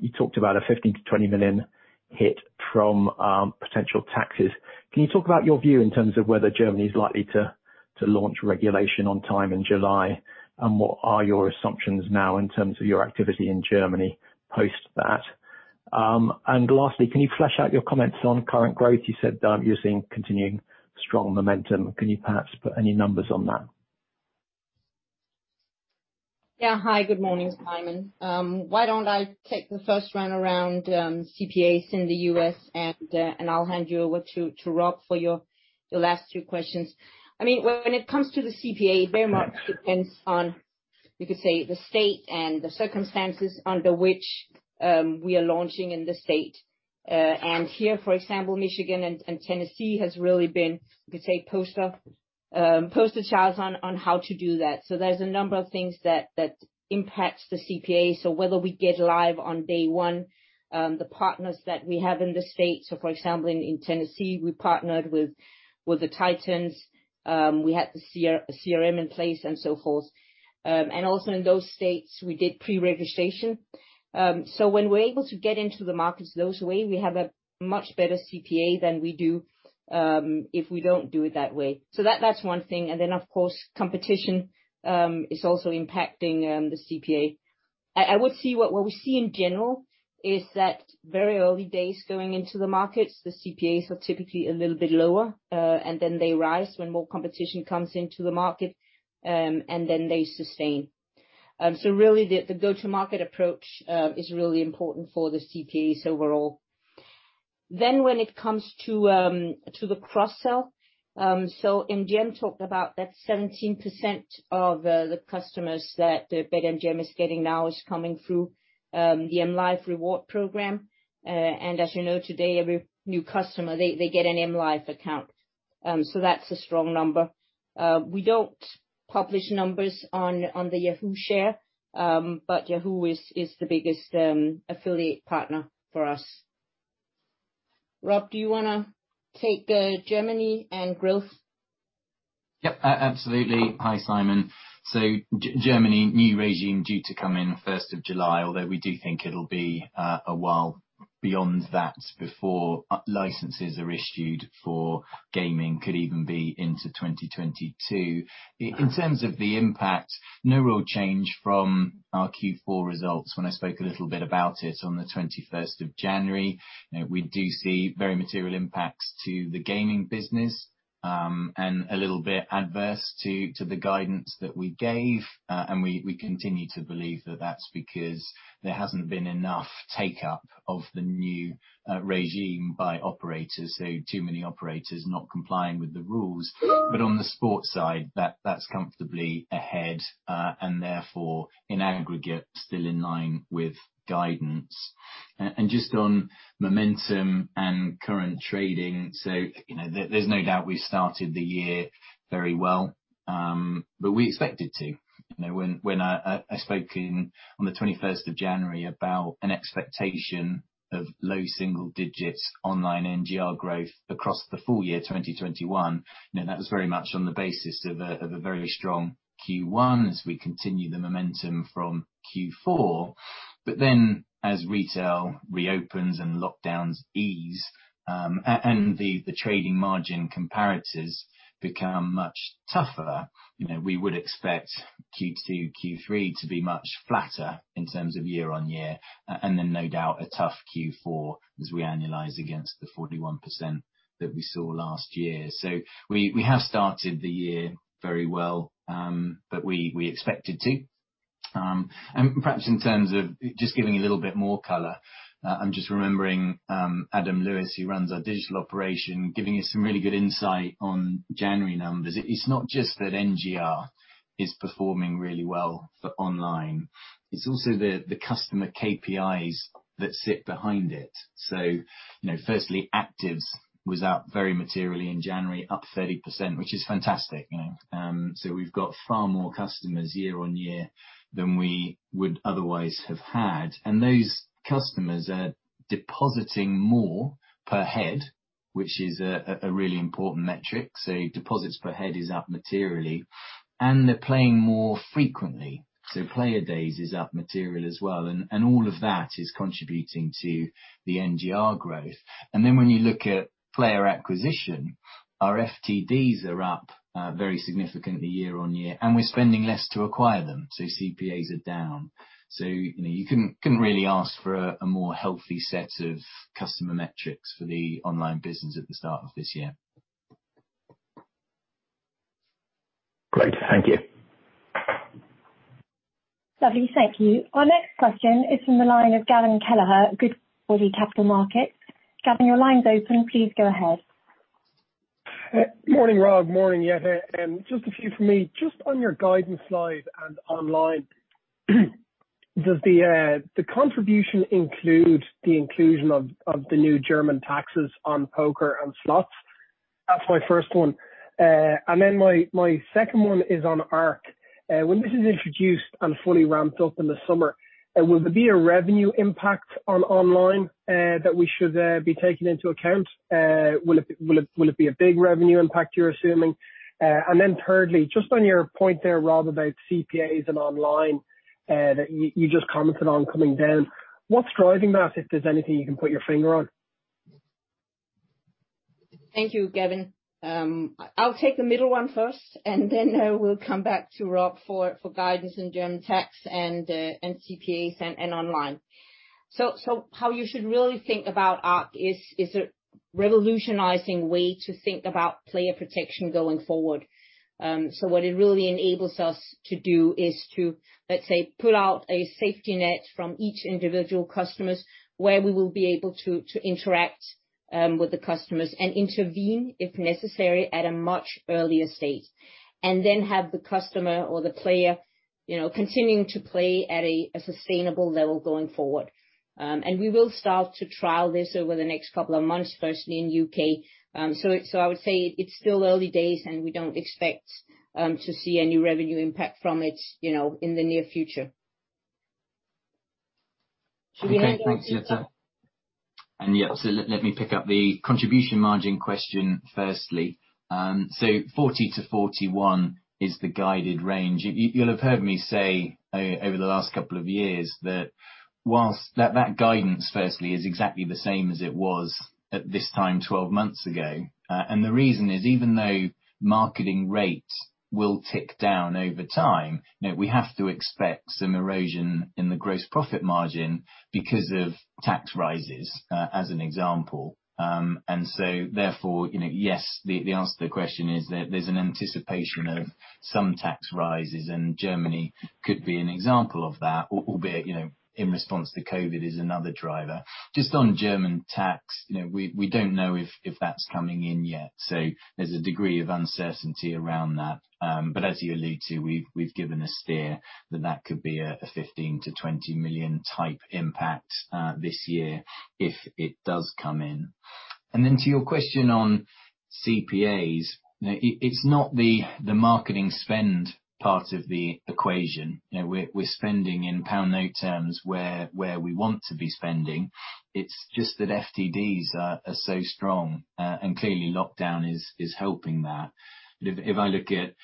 you talked about a 15 million-20 million hit from potential taxes. Can you talk about your view in terms of whether Germany is likely to launch regulation on time in July? And what are your assumptions now in terms of your activity in Germany post that? And lastly, can you flesh out your comments on current growth? You said you're seeing continuing strong momentum. Can you perhaps put any numbers on that? Yeah. Hi, good morning, Simon. Why don't I take the first round around CPAs in the US, and I'll hand you over to Rob for your last two questions. I mean, when it comes to the CPA, it very much depends on, you could say, the state and the circumstances under which we are launching in the state. And here, for example, Michigan and Tennessee has really been, you could say, poster child on how to do that. So there's a number of things that impact the CPA. So whether we get live on day one, the partners that we have in the state, so for example, in Tennessee, we partnered with the Titans. We had the CRM in place and so forth. And also in those states, we did pre-registration. So when we're able to get into the markets that way, we have a much better CPA than we do if we don't do it that way. So that's one thing. And then, of course, competition is also impacting the CPA. I would see what we see in general is that very early days going into the markets, the CPAs are typically a little bit lower, and then they rise when more competition comes into the market, and then they sustain, so really, the go-to-market approach is really important for the CPAs overall. Then when it comes to the cross-sell, so MGM talked about that 17% of the customers that BetMGM is getting now is coming through the M life reward program. And as you know, today, every new customer, they get an M life account. So that's a strong number. We don't publish numbers on the Yahoo share, but Yahoo is the biggest affiliate partner for us. Rob, do you want to take Germany and growth? Yep, absolutely. Hi, Simon. So, Germany, new regime due to come in 1st of July, although we do think it'll be a while beyond that before licenses are issued for gaming, could even be into 2022. In terms of the impact, no real change from our Q4 results when I spoke a little bit about it on the 21st of January. We do see very material impacts to the gaming business and a little bit adverse to the guidance that we gave. And we continue to believe that that's because there hasn't been enough take-up of the new regime by operators. So too many operators not complying with the rules. But on the sports side, that's comfortably ahead and therefore, in aggregate, still in line with guidance. And just on momentum and current trading, so there's no doubt we've started the year very well, but we expected to. When I spoke on the 21st of January about an expectation of low single digits online NGR growth across the full year 2021, that was very much on the basis of a very strong Q1 as we continue the momentum from Q4, but then as retail reopens and lockdowns ease and the trading margin comparators become much tougher, we would expect Q2, Q3 to be much flatter in terms of year-on-year, and then no doubt a tough Q4 as we analyze against the 41% that we saw last year, so we have started the year very well, but we expected to, and perhaps in terms of just giving a little bit more color, I'm just remembering Adam Lewis, who runs our digital operation, giving us some really good insight on January numbers. It's not just that NGR is performing really well for online. It's also the customer KPIs that sit behind it. So firstly, Actives was up very materially in January, up 30%, which is fantastic. So we've got far more customers year-on-year than we would otherwise have had. And those customers are depositing more per head, which is a really important metric. So deposits per head is up materially. And they're playing more frequently. So player days is up materially as well. And all of that is contributing to the NGR growth. And then when you look at player acquisition, our FTDs are up very significantly year-on-year. And we're spending less to acquire them. So CPAs are down. So you couldn't really ask for a more healthy set of customer metrics for the online business at the start of this year. Great. Thank you. Lovely. Thank you. Our next question is from the line of Gavin Kelleher, Goodbody Capital Markets. Gavin, your line's open. Please go ahead. Morning, Rob. Morning, Jette. And just a few for me. Just on your guidance slides and online, does the contribution include the inclusion of the new German taxes on poker and slots? That's my first one. And then my second one is on ARC. When this is introduced and fully ramped up in the summer, will there be a revenue impact on online that we should be taking into account? Will it be a big revenue impact, you're assuming? And then thirdly, just on your point there, Rob, about CPAs and online that you just commented on coming down, what's driving that, if there's anything you can put your finger on? Thank you, Gavin. I'll take the middle one first, and then we'll come back to Rob for guidance on German tax and CPAs and online. How you should really think about ARC is a revolutionizing way to think about player protection going forward. What it really enables us to do is to, let's say, put out a safety net from each individual customer's where we will be able to interact with the customers and intervene, if necessary, at a much earlier state, and then have the customer or the player continuing to play at a sustainable level going forward. We will start to trial this over the next couple of months, firstly in the U.K. I would say it's still early days, and we don't expect to see any revenue impact from it in the near future. Should we hand over? Thanks, yeah. Yep, let me pick up the contribution margin question firstly. 40%-41% is the guided range. You'll have heard me say over the last couple of years that that guidance, firstly, is exactly the same as it was at this time 12 months ago. And the reason is, even though marketing rates will tick down over time, we have to expect some erosion in the gross profit margin because of tax rises, as an example. And so therefore, yes, the answer to the question is that there's an anticipation of some tax rises, and Germany could be an example of that, albeit in response to COVID is another driver. Just on German tax, we don't know if that's coming in yet. So there's a degree of uncertainty around that. But as you alluded to, we've given a steer that that could be a 15 million-20 million type impact this year if it does come in. And then to your question on CPAs, it's not the marketing spend part of the equation. We're spending in pound-for-pound terms where we want to be spending. It's just that FTDs are so strong, and clearly lockdown is helping that. If I look at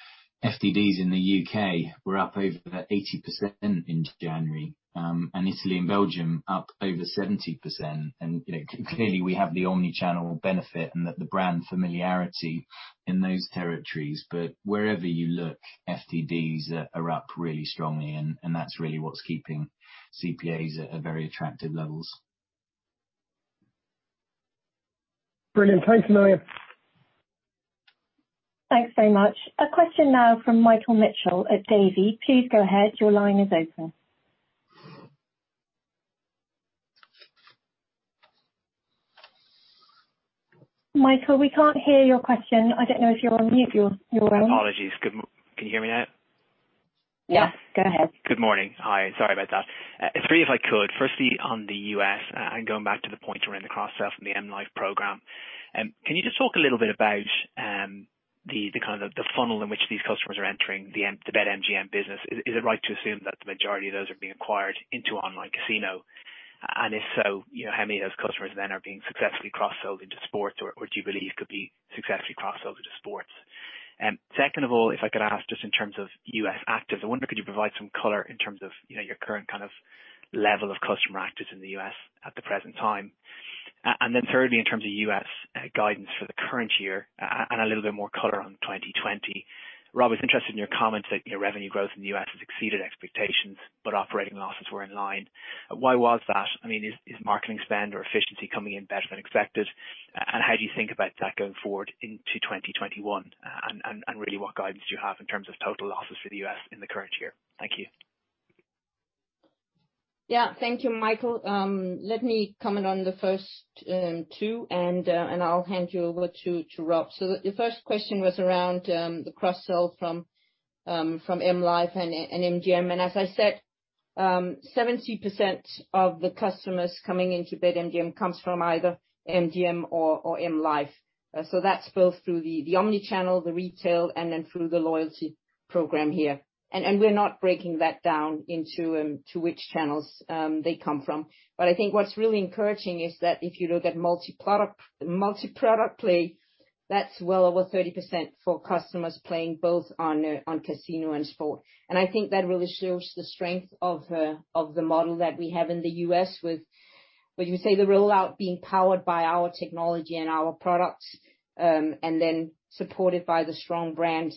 FTDs in the U.K., we're up over 80% in January, and Italy and Belgium up over 70%. And clearly, we have the omnichannel benefit and the brand familiarity in those territories. But wherever you look, FTDs are up really strongly, and that's really what's keeping CPAs at very attractive levels. Brilliant. Thanks, Mia. Thanks very much. A question now from Michael Mitchell at Davy. Please go ahead. Your line is open. Michael, we can't hear your question. I don't know if you're on mute or not. Apologies. Can you hear me now? Yes. Go ahead. Good morning. Hi. Sorry about that. Three, if I could. Firstly, on the U.S., and going back to the point around the cross-sell from the M life program, can you just talk a little bit about the kind of the funnel in which these customers are entering the BetMGM business? Is it right to assume that the majority of those are being acquired into online casino? And if so, how many of those customers then are being successfully cross-sold into sports, or do you believe could be successfully cross-sold into sports? Second of all, if I could ask just in terms of U.S. actives, I wonder, could you provide some color in terms of your current kind of level of customer actives in the U.S. at the present time? And then thirdly, in terms of U.S. guidance for the current year and a little bit more color on 2020. Rob, I was interested in your comments that revenue growth in the U.S. has exceeded expectations, but operating losses were in line. Why was that? I mean, is marketing spend or efficiency coming in better than expected? And how do you think about that going forward into 2021? And really, what guidance do you have in terms of total losses for the U.S. in the current year? Thank you. Yeah. Thank you, Michael. Let me comment on the first two, and I'll hand you over to Rob. So the first question was around the cross-sell from M life and MGM. And as I said, 70% of the customers coming into BetMGM comes from either MGM or M life. So that's both through the omnichannel, the retail, and then through the loyalty program here. And we're not breaking that down into which channels they come from. But I think what's really encouraging is that if you look at multi-product play, that's well over 30% for customers playing both on casino and sport. And I think that really shows the strength of the model that we have in the U.S., with, would you say, the rollout being powered by our technology and our products and then supported by the strong brand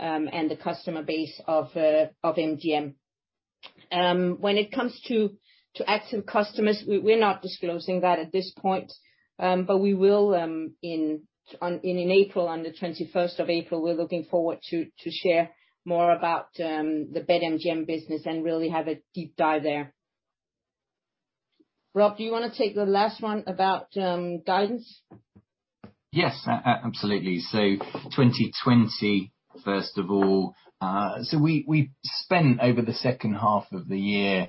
and the customer base of MGM. When it comes to active customers, we're not disclosing that at this point, but we will in April, on the 21st of April. We're looking forward to share more about the BetMGM business and really have a deep dive there. Rob, do you want to take the last one about guidance? Yes, absolutely. So 2020, first of all, so we spent over the second half of the year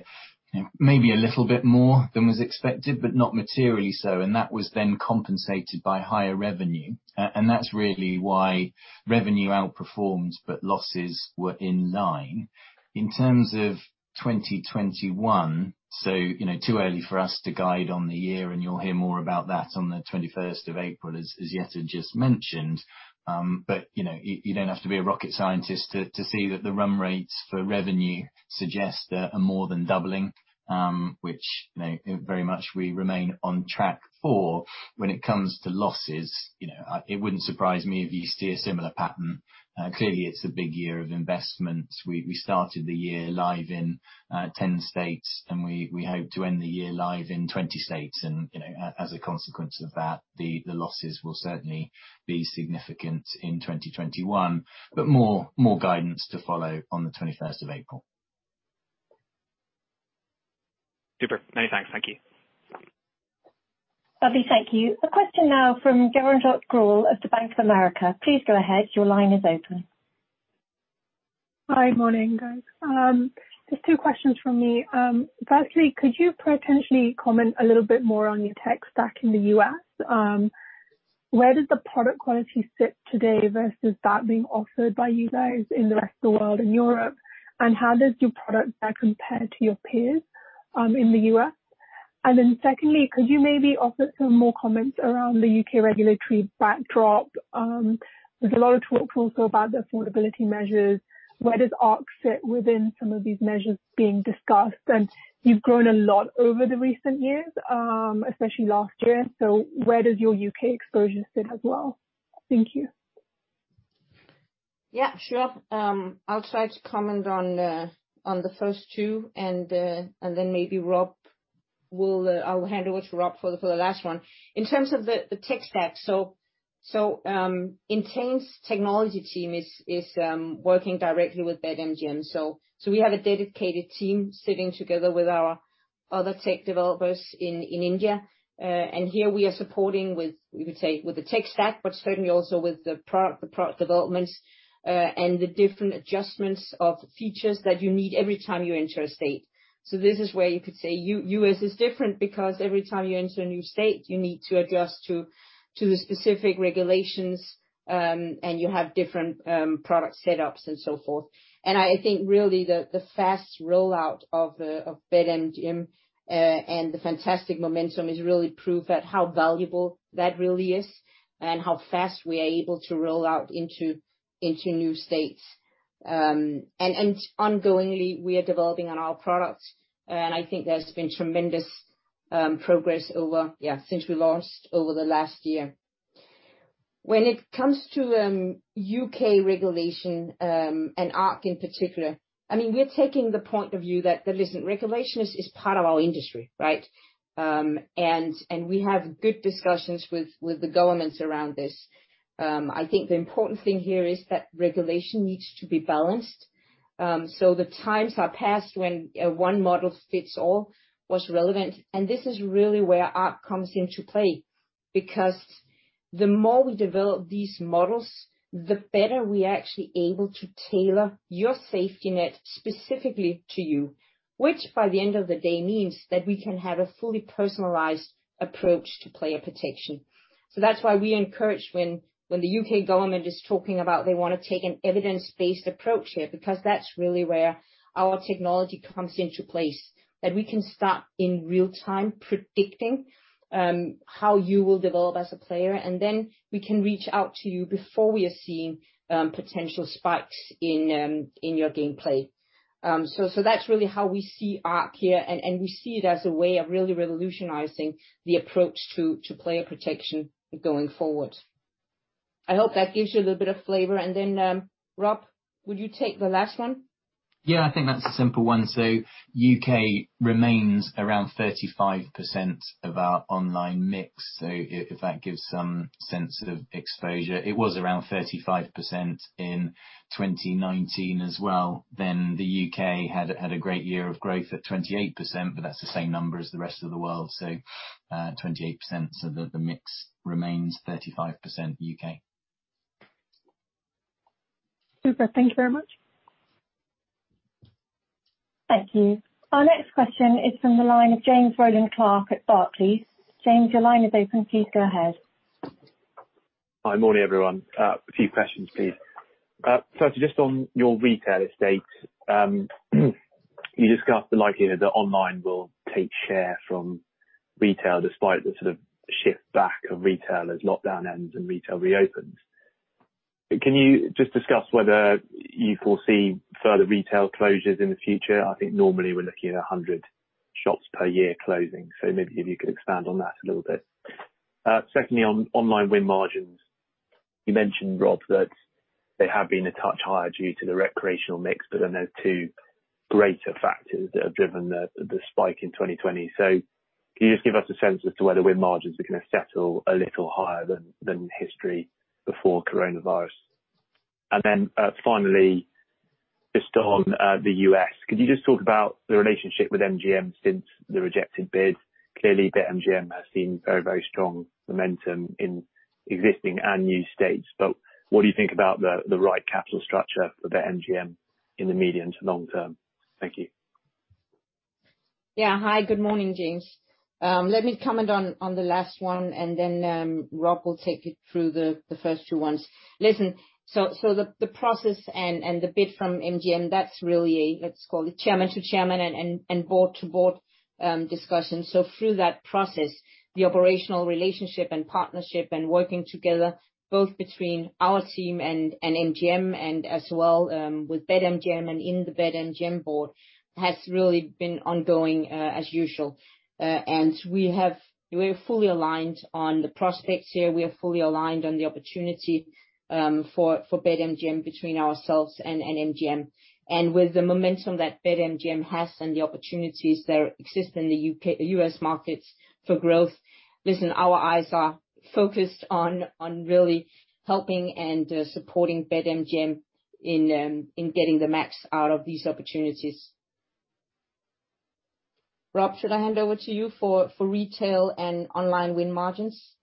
maybe a little bit more than was expected, but not materially so. And that was then compensated by higher revenue. And that's really why revenue outperformed, but losses were in line. In terms of 2021, so too early for us to guide on the year, and you'll hear more about that on the 21st of April, as Jette just mentioned. But you don't have to be a rocket scientist to see that the run rates for revenue suggest a more than doubling, which very much we remain on track for. When it comes to losses, it wouldn't surprise me if you see a similar pattern. Clearly, it's a big year of investments. We started the year live in 10 states, and we hope to end the year live in 20 states. And as a consequence of that, the losses will certainly be significant in 2021, but more guidance to follow on the 21st of April. Super. Many thanks. Thank you. Lovely. Thank you. A question now from [unintelligible] of the Bank of America. Please go ahead. Your line is open. Hi, morning, guys. Just two questions from me. Firstly, could you potentially comment a little bit more on your tech stack in the U.S.? Where does the product quality sit today versus that being offered by you guys in the rest of the world and Europe? And how does your product there compare to your peers in the U.S.? And then secondly, could you maybe offer some more comments around the U.K. regulatory backdrop? There's a lot of talk also about the affordability measures. Where does ARC sit within some of these measures being discussed? And you've grown a lot over the recent years, especially last year. So where does your U.K. exposure sit as well? Thank you. Yeah, sure. I'll try to comment on the first two, and then maybe Rob will, I'll hand over to Rob for the last one. In terms of the tech stack, so Entain's technology team is working directly with BetMGM. So we have a dedicated team sitting together with our other tech developers in India. And here we are supporting with, we would say, with the tech stack, but certainly also with the product developments and the different adjustments of features that you need every time you enter a state. So this is where you could say U.S. is different because every time you enter a new state, you need to adjust to the specific regulations, and you have different product setups and so forth. I think really the fast rollout of BetMGM and the fantastic momentum is really proof that how valuable that really is and how fast we are able to roll out into new states. Ongoingly, we are developing on our products, and I think there's been tremendous progress over, yeah, since we launched over the last year. When it comes to U.K. regulation and ARC in particular, I mean, we're taking the point of view that regulation is part of our industry, right? We have good discussions with the governments around this. I think the important thing here is that regulation needs to be balanced. The times are past when one model fits all was relevant. And this is really where ARC comes into play because the more we develop these models, the better we are actually able to tailor your safety net specifically to you, which by the end of the day means that we can have a fully personalized approach to player protection. So that's why we encourage when the U.K. government is talking about they want to take an evidence-based approach here because that's really where our technology comes into place, that we can start in real-time predicting how you will develop as a player, and then we can reach out to you before we are seeing potential spikes in your gameplay. So that's really how we see ARC here, and we see it as a way of really revolutionizing the approach to player protection going forward. I hope that gives you a little bit of flavor. And then, Rob, would you take the last one? Yeah, I think that's a simple one. So U.K. remains around 35% of our online mix. So if that gives some sense of exposure, it was around 35% in 2019 as well. Then the U.K. had a great year of growth at 28%, but that's the same number as the rest of the world. So 28%, so the mix remains 35% U.K. Super. Thank you very much. Thank you. Our next question is from the line of James Rowland Clark at Barclays. James, your line is open. Please go ahead. Hi, morning, everyone. A few questions, please. Firstly, just on your retail estate, you discussed the likelihood that online will take share from retail despite the sort of shift back of retail as lockdown ends and retail reopens. Can you just discuss whether you foresee further retail closures in the future? I think normally we're looking at 100 shops per year closing. So maybe if you could expand on that a little bit. Secondly, on online win margins, you mentioned, Rob, that they have been a touch higher due to the recreational mix, but then there's two greater factors that have driven the spike in 2020. So can you just give us a sense as to whether win margins are going to settle a little higher than history before coronavirus? And then finally, just on the U.S., could you just talk about the relationship with MGM since the rejected bid? Clearly, BetMGM has seen very, very strong momentum in existing and new states, but what do you think about the right capital structure for BetMGM in the medium to long term? Thank you. Yeah. Hi, good morning, James. Let me comment on the last one, and then Rob will take you through the first two ones. Listen, so the process and the bid from MGM, that's really, let's call it chairman to chairman and board to board discussion. So through that process, the operational relationship and partnership and working together, both between our team and MGM, and as well with BetMGM and in the BetMGM board, has really been ongoing as usual. And we're fully aligned on the prospects here. We are fully aligned on the opportunity for BetMGM between ourselves and MGM. And with the momentum that BetMGM has and the opportunities that exist in the U.S. markets for growth, listen, our eyes are focused on really helping and supporting BetMGM in getting the max out of these opportunities. Rob, should I hand over to you for retail and online win margins?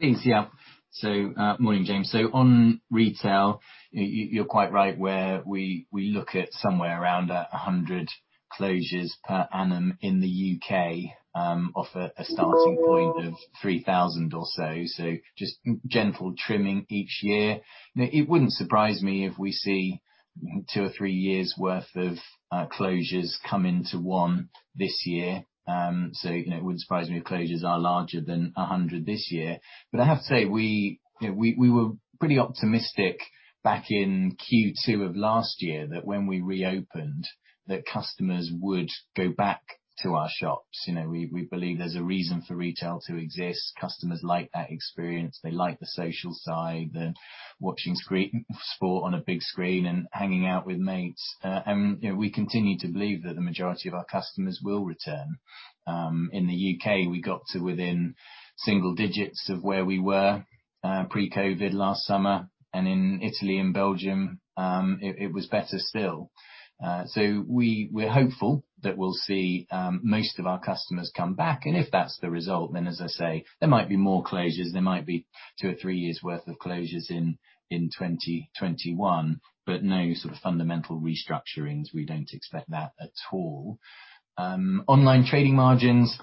Thanks. Yep. So morning, James. So on retail, you're quite right where we look at somewhere around 100 closures per annum in the U.K. off a starting point of 3,000 or so. So just gentle trimming each year. It wouldn't surprise me if we see two or three years' worth of closures come into one this year. So it wouldn't surprise me if closures are larger than 100 this year. But I have to say we were pretty optimistic back in Q2 of last year that when we reopened, that customers would go back to our shops. We believe there's a reason for retail to exist. Customers like that experience. They like the social side, the watching sport on a big screen and hanging out with mates. And we continue to believe that the majority of our customers will return. In the U.K., we got to within single digits of where we were pre-COVID last summer. And in Italy and Belgium, it was better still. So we're hopeful that we'll see most of our customers come back. And if that's the result, then as I say, there might be more closures. There might be two or three years' worth of closures in 2021, but no sort of fundamental restructurings. We don't expect that at all. Online trading margins,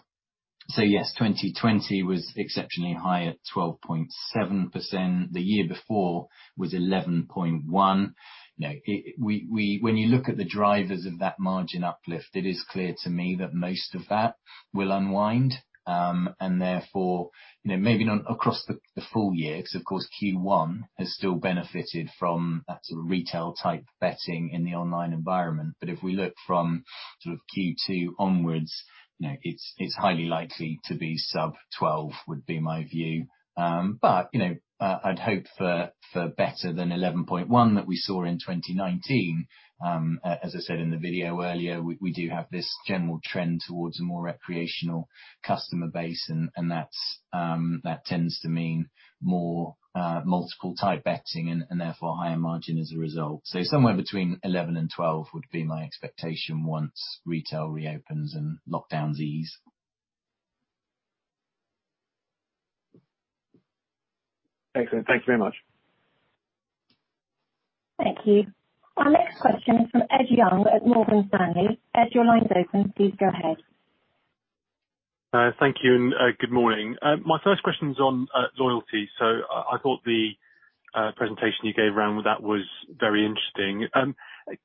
so yes, 2020 was exceptionally high at 12.7%. The year before was 11.1%. When you look at the drivers of that margin uplift, it is clear to me that most of that will unwind. And therefore, maybe not across the full year because, of course, Q1 has still benefited from that sort of retail-type betting in the online environment. But if we look from sort of Q2 onwards, it's highly likely to be sub-12%, would be my view. But I'd hope for better than 11.1% that we saw in 2019. As I said in the video earlier, we do have this general trend towards a more recreational customer base, and that tends to mean more multiple-type betting and therefore higher margin as a result. So somewhere between 11% and 12% would be my expectation once retail reopens and lockdowns ease. Excellent. Thank you very much. Thank you. Our next question is from Ed Young at Morgan Stanley. Ed, your line's open. Please go ahead. Thank you. And good morning. My first question is on loyalty. So I thought the presentation you gave around that was very interesting.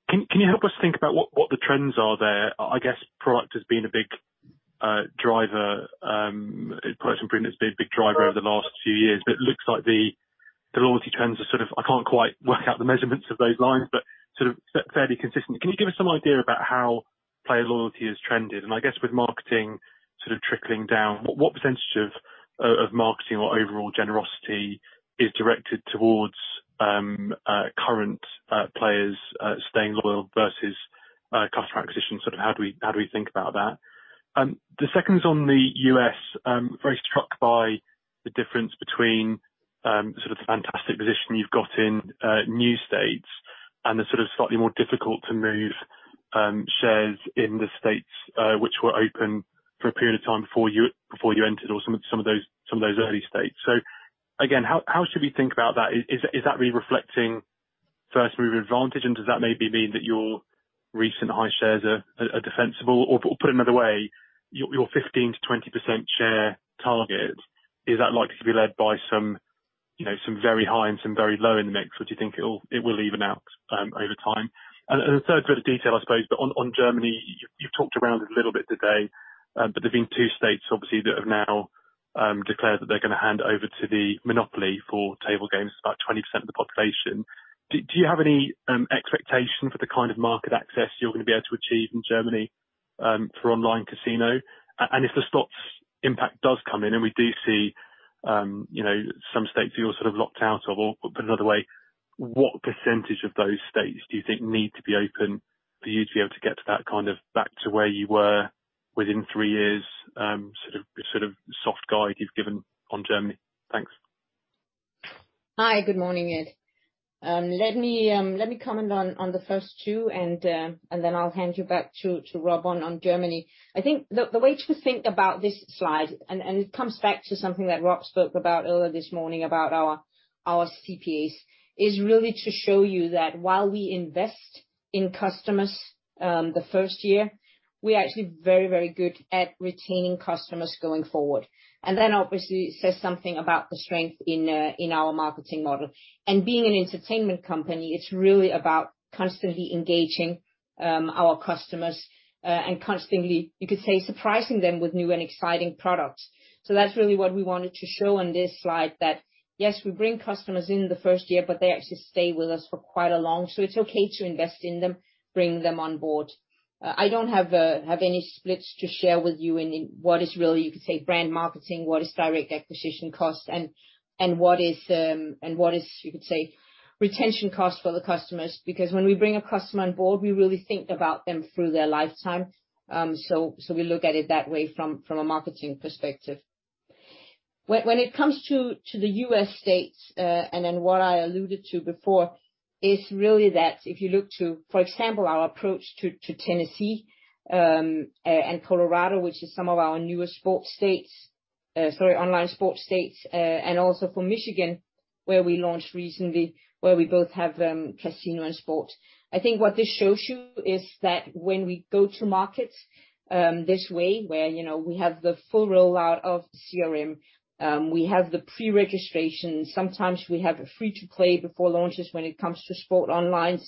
Can you help us think about what the trends are there? I guess product has been a big driver. Product and print has been a big driver over the last few years. But it looks like the loyalty trends are sort of, I can't quite work out the measurements of those lines, but sort of fairly consistent. Can you give us some idea about how player loyalty has trended? And I guess with marketing sort of trickling down, what percentage of marketing or overall generosity is directed towards current players staying loyal versus customer acquisition? Sort of how do we think about that? The second is on the U.S. Very struck by the difference between sort of the fantastic position you've got in new states and the sort of slightly more difficult-to-move shares in the states which were open for a period of time before you entered or some of those early states. So again, how should we think about that? Is that really reflecting first-mover advantage? And does that maybe mean that your recent high shares are defensible? Or put another way, your 15%-20% share target, is that likely to be led by some very high and some very low in the mix, which you think it will even out over time? The third bit of detail, I suppose, but on Germany, you've talked around it a little bit today, but there have been two states, obviously, that have now declared that they're going to hand over to the monopoly for table games, about 20% of the population. Do you have any expectation for the kind of market access you're going to be able to achieve in Germany for online casino? If the sports impact does come in and we do see some states that you're sort of locked out of, or put another way, what percentage of those states do you think need to be open for you to be able to get to that kind of back to where you were within three years? Sort of. Sort of soft guide you've given on Germany. Thanks. Hi, good morning, Ed. Let me comment on the first two, and then I'll hand you back to Rob on Germany. I think the way to think about this slide, and it comes back to something that Rob spoke about earlier this morning about our CPAs, is really to show you that while we invest in customers the first year, we're actually very, very good at retaining customers going forward. And that obviously says something about the strength in our marketing model. Being an entertainment company, it's really about constantly engaging our customers and constantly, you could say, surprising them with new and exciting products. So that's really what we wanted to show on this slide, that yes, we bring customers in the first year, but they actually stay with us for quite a long time. So it's okay to invest in them, bring them on board. I don't have any splits to share with you in what is really, you could say, brand marketing, what is direct acquisition cost, and what is, you could say, retention cost for the customers. Because when we bring a customer on board, we really think about them through their lifetime. So we look at it that way from a marketing perspective. When it comes to the U.S. states and then what I alluded to before, it's really that if you look to, for example, our approach to Tennessee and Colorado, which is some of our newest sports states, sorry, online sports states, and also for Michigan, where we launched recently, where we both have casino and sports. I think what this shows you is that when we go to market this way, where we have the full rollout of CRM, we have the pre-registration, sometimes we have a free-to-play before launches when it comes to sports online,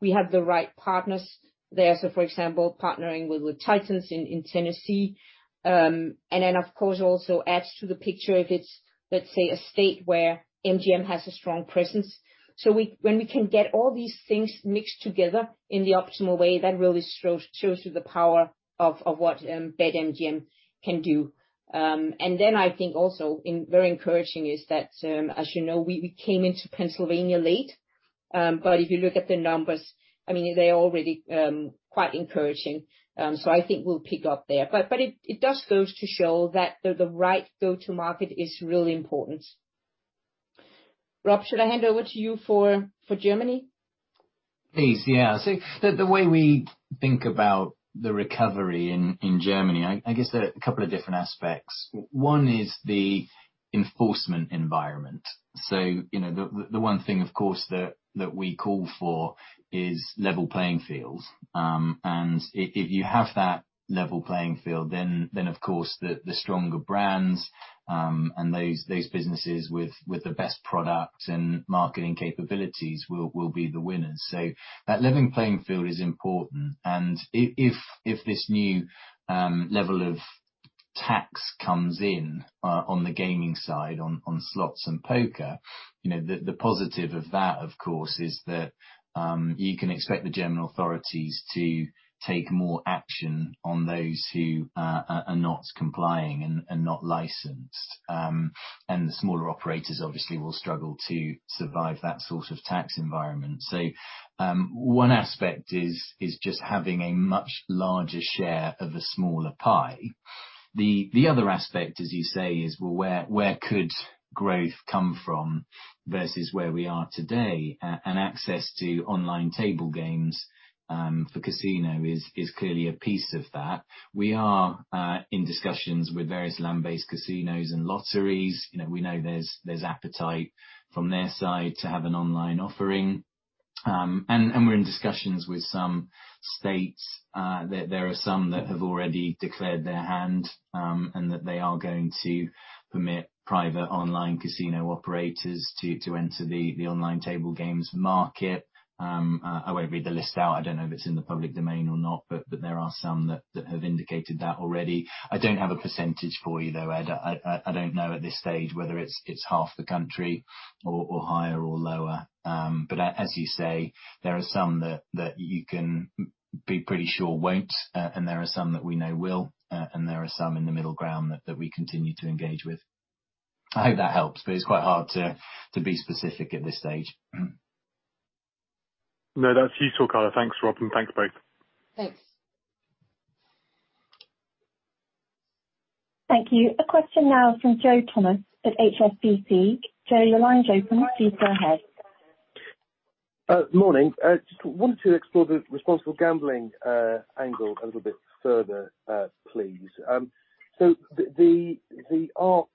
we have the right partners there. So for example, partnering with the Titans in Tennessee. And then, of course, also adds to the picture if it's, let's say, a state where MGM has a strong presence. So when we can get all these things mixed together in the optimal way, that really shows you the power of what BetMGM can do. And then I think also very encouraging is that, as you know, we came into Pennsylvania late. But if you look at the numbers, I mean, they're already quite encouraging. So I think we'll pick up there. But it does go to show that the right go-to-market is really important. Rob, should I hand over to you for Germany? Please, yeah. So the way we think about the recovery in Germany, I guess there are a couple of different aspects. One is the enforcement environment. So the one thing, of course, that we call for is level playing field. And if you have that level playing field, then, of course, the stronger brands and those businesses with the best products and marketing capabilities will be the winners. So that level playing field is important. And if this new level of tax comes in on the gaming side, on slots and poker, the positive of that, of course, is that you can expect the German authorities to take more action on those who are not complying and not licensed. And the smaller operators, obviously, will struggle to survive that sort of tax environment. So one aspect is just having a much larger share of a smaller pie. The other aspect, as you say, is where could growth come from versus where we are today. And access to online table games for casino is clearly a piece of that. We are in discussions with various land-based casinos and lotteries. We know there's appetite from their side to have an online offering. And we're in discussions with some states. There are some that have already declared their hand and that they are going to permit private online casino operators to enter the online table games market. I won't read the list out. I don't know if it's in the public domain or not, but there are some that have indicated that already. I don't have a percentage for you, though, Ed. I don't know at this stage whether it's half the country or higher or lower. But as you say, there are some that you can be pretty sure won't, and there are some that we know will, and there are some in the middle ground that we continue to engage with. I hope that helps, but it's quite hard to be specific at this stage. No, that's useful, color. Thanks, Rob, and thanks to both. Thank you. A question now from Joe Thomas at HSBC. Joe, your line is open. Please go ahead. Morning. Just wanted to explore the responsible gambling angle a little bit further, please. So the ARC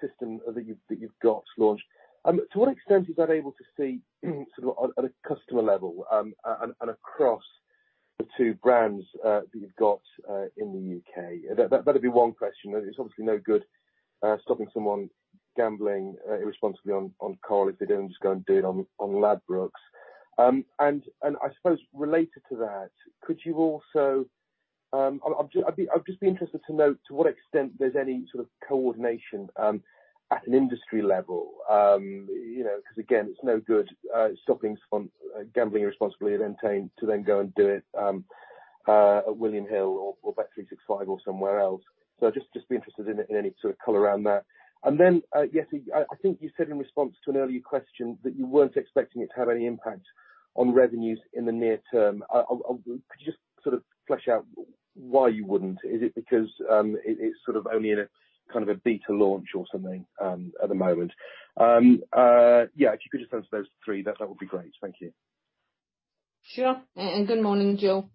system that you have got launched, to what extent is that able to see sort of at a customer level and across the two brands that you have got in the U.K.? That would be one question. It is obviously no good stopping someone gambling irresponsibly on Coral if they do not just go and do it on Ladbrokes. And I suppose related to that, could you also. I have just been interested to know to what extent there is any sort of coordination at an industry level? Because again, it is no good stopping gambling irresponsibly and then going to go and do it at William Hill or Bet365 or somewhere else. So I'd just be interested in any sort of color around that. And then, yes, I think you said in response to an earlier question that you weren't expecting it to have any impact on revenues in the near term. Could you just sort of flesh out why you wouldn't? Is it because it's sort of only in a kind of a beta launch or something at the moment? Yeah, if you could just answer those three, that would be great. Thank you. Sure. And good morning, Joe.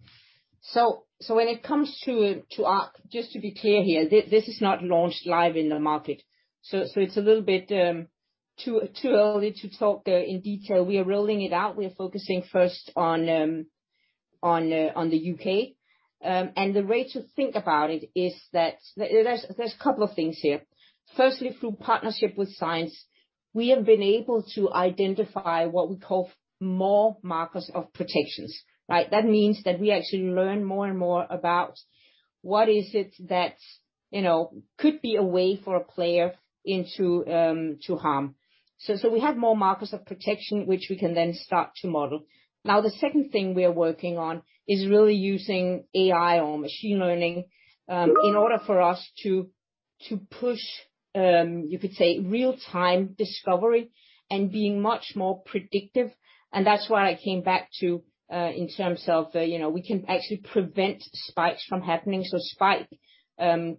So when it comes to ARC, just to be clear here, this is not launched live in the market. So it's a little bit too early to talk in detail. We are rolling it out. We are focusing first on the U.K. And the way to think about it is that there's a couple of things here. Firstly, through partnership with science, we have been able to identify what we call more markers of protections, right? That means that we actually learn more and more about what is it that could be a way for a player to harm. So we have more markers of protection, which we can then start to model. Now, the second thing we are working on is really using AI or machine learning in order for us to push, you could say, real-time discovery and being much more predictive. And that's why I came back to in terms of we can actually prevent spikes from happening. So spike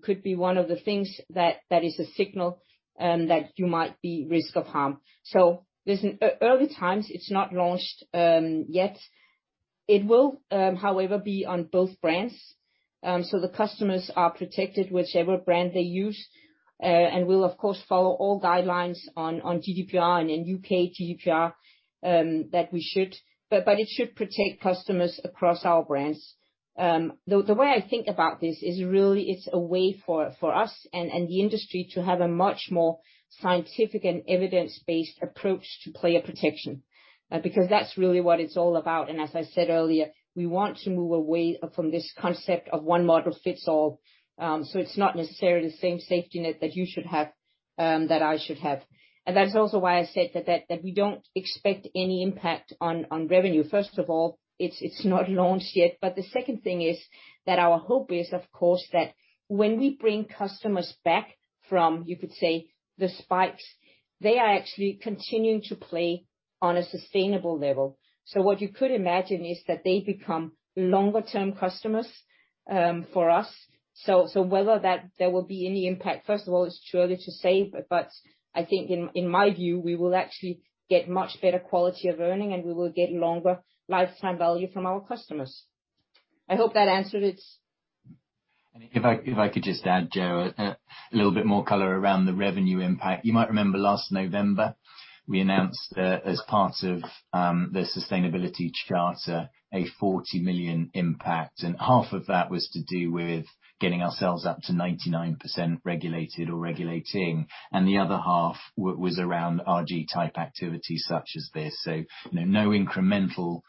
could be one of the things that is a signal that you might be at risk of harm. So early times, it's not launched yet. It will, however, be on both brands. So the customers are protected, whichever brand they use. We'll, of course, follow all guidelines on GDPR and U.K. GDPR that we should. But it should protect customers across our brands. The way I think about this is really it's a way for us and the industry to have a much more scientific and evidence-based approach to player protection because that's really what it's all about. And as I said earlier, we want to move away from this concept of one model fits all. So it's not necessarily the same safety net that you should have, that I should have. And that's also why I said that we don't expect any impact on revenue. First of all, it's not launched yet. But the second thing is that our hope is, of course, that when we bring customers back from, you could say, the spikes, they are actually continuing to play on a sustainable level. So what you could imagine is that they become longer-term customers for us. So whether there will be any impact, first of all, it's too early to say. But I think, in my view, we will actually get much better quality of earnings, and we will get longer lifetime value from our customers. I hope that answered it. And if I could just add, Joe, a little bit more color around the revenue impact. You might remember last November, we announced as part of the sustainability charter, a 40 million impact. And half of that was to do with getting ourselves up to 99% regulated or regulating. And the other half was around RG-type activities such as this. So no incremental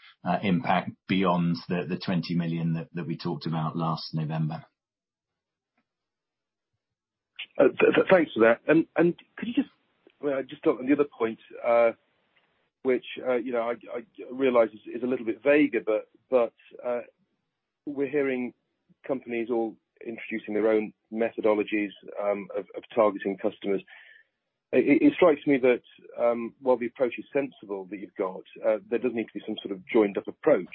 impact beyond the 20 million that we talked about last November. Thanks for that. Could you just, well, I just thought on the other point, which I realize is a little bit vague, but we're hearing companies all introducing their own methodologies of targeting customers. It strikes me that while the approach is sensible that you've got, there does need to be some sort of joined-up approach.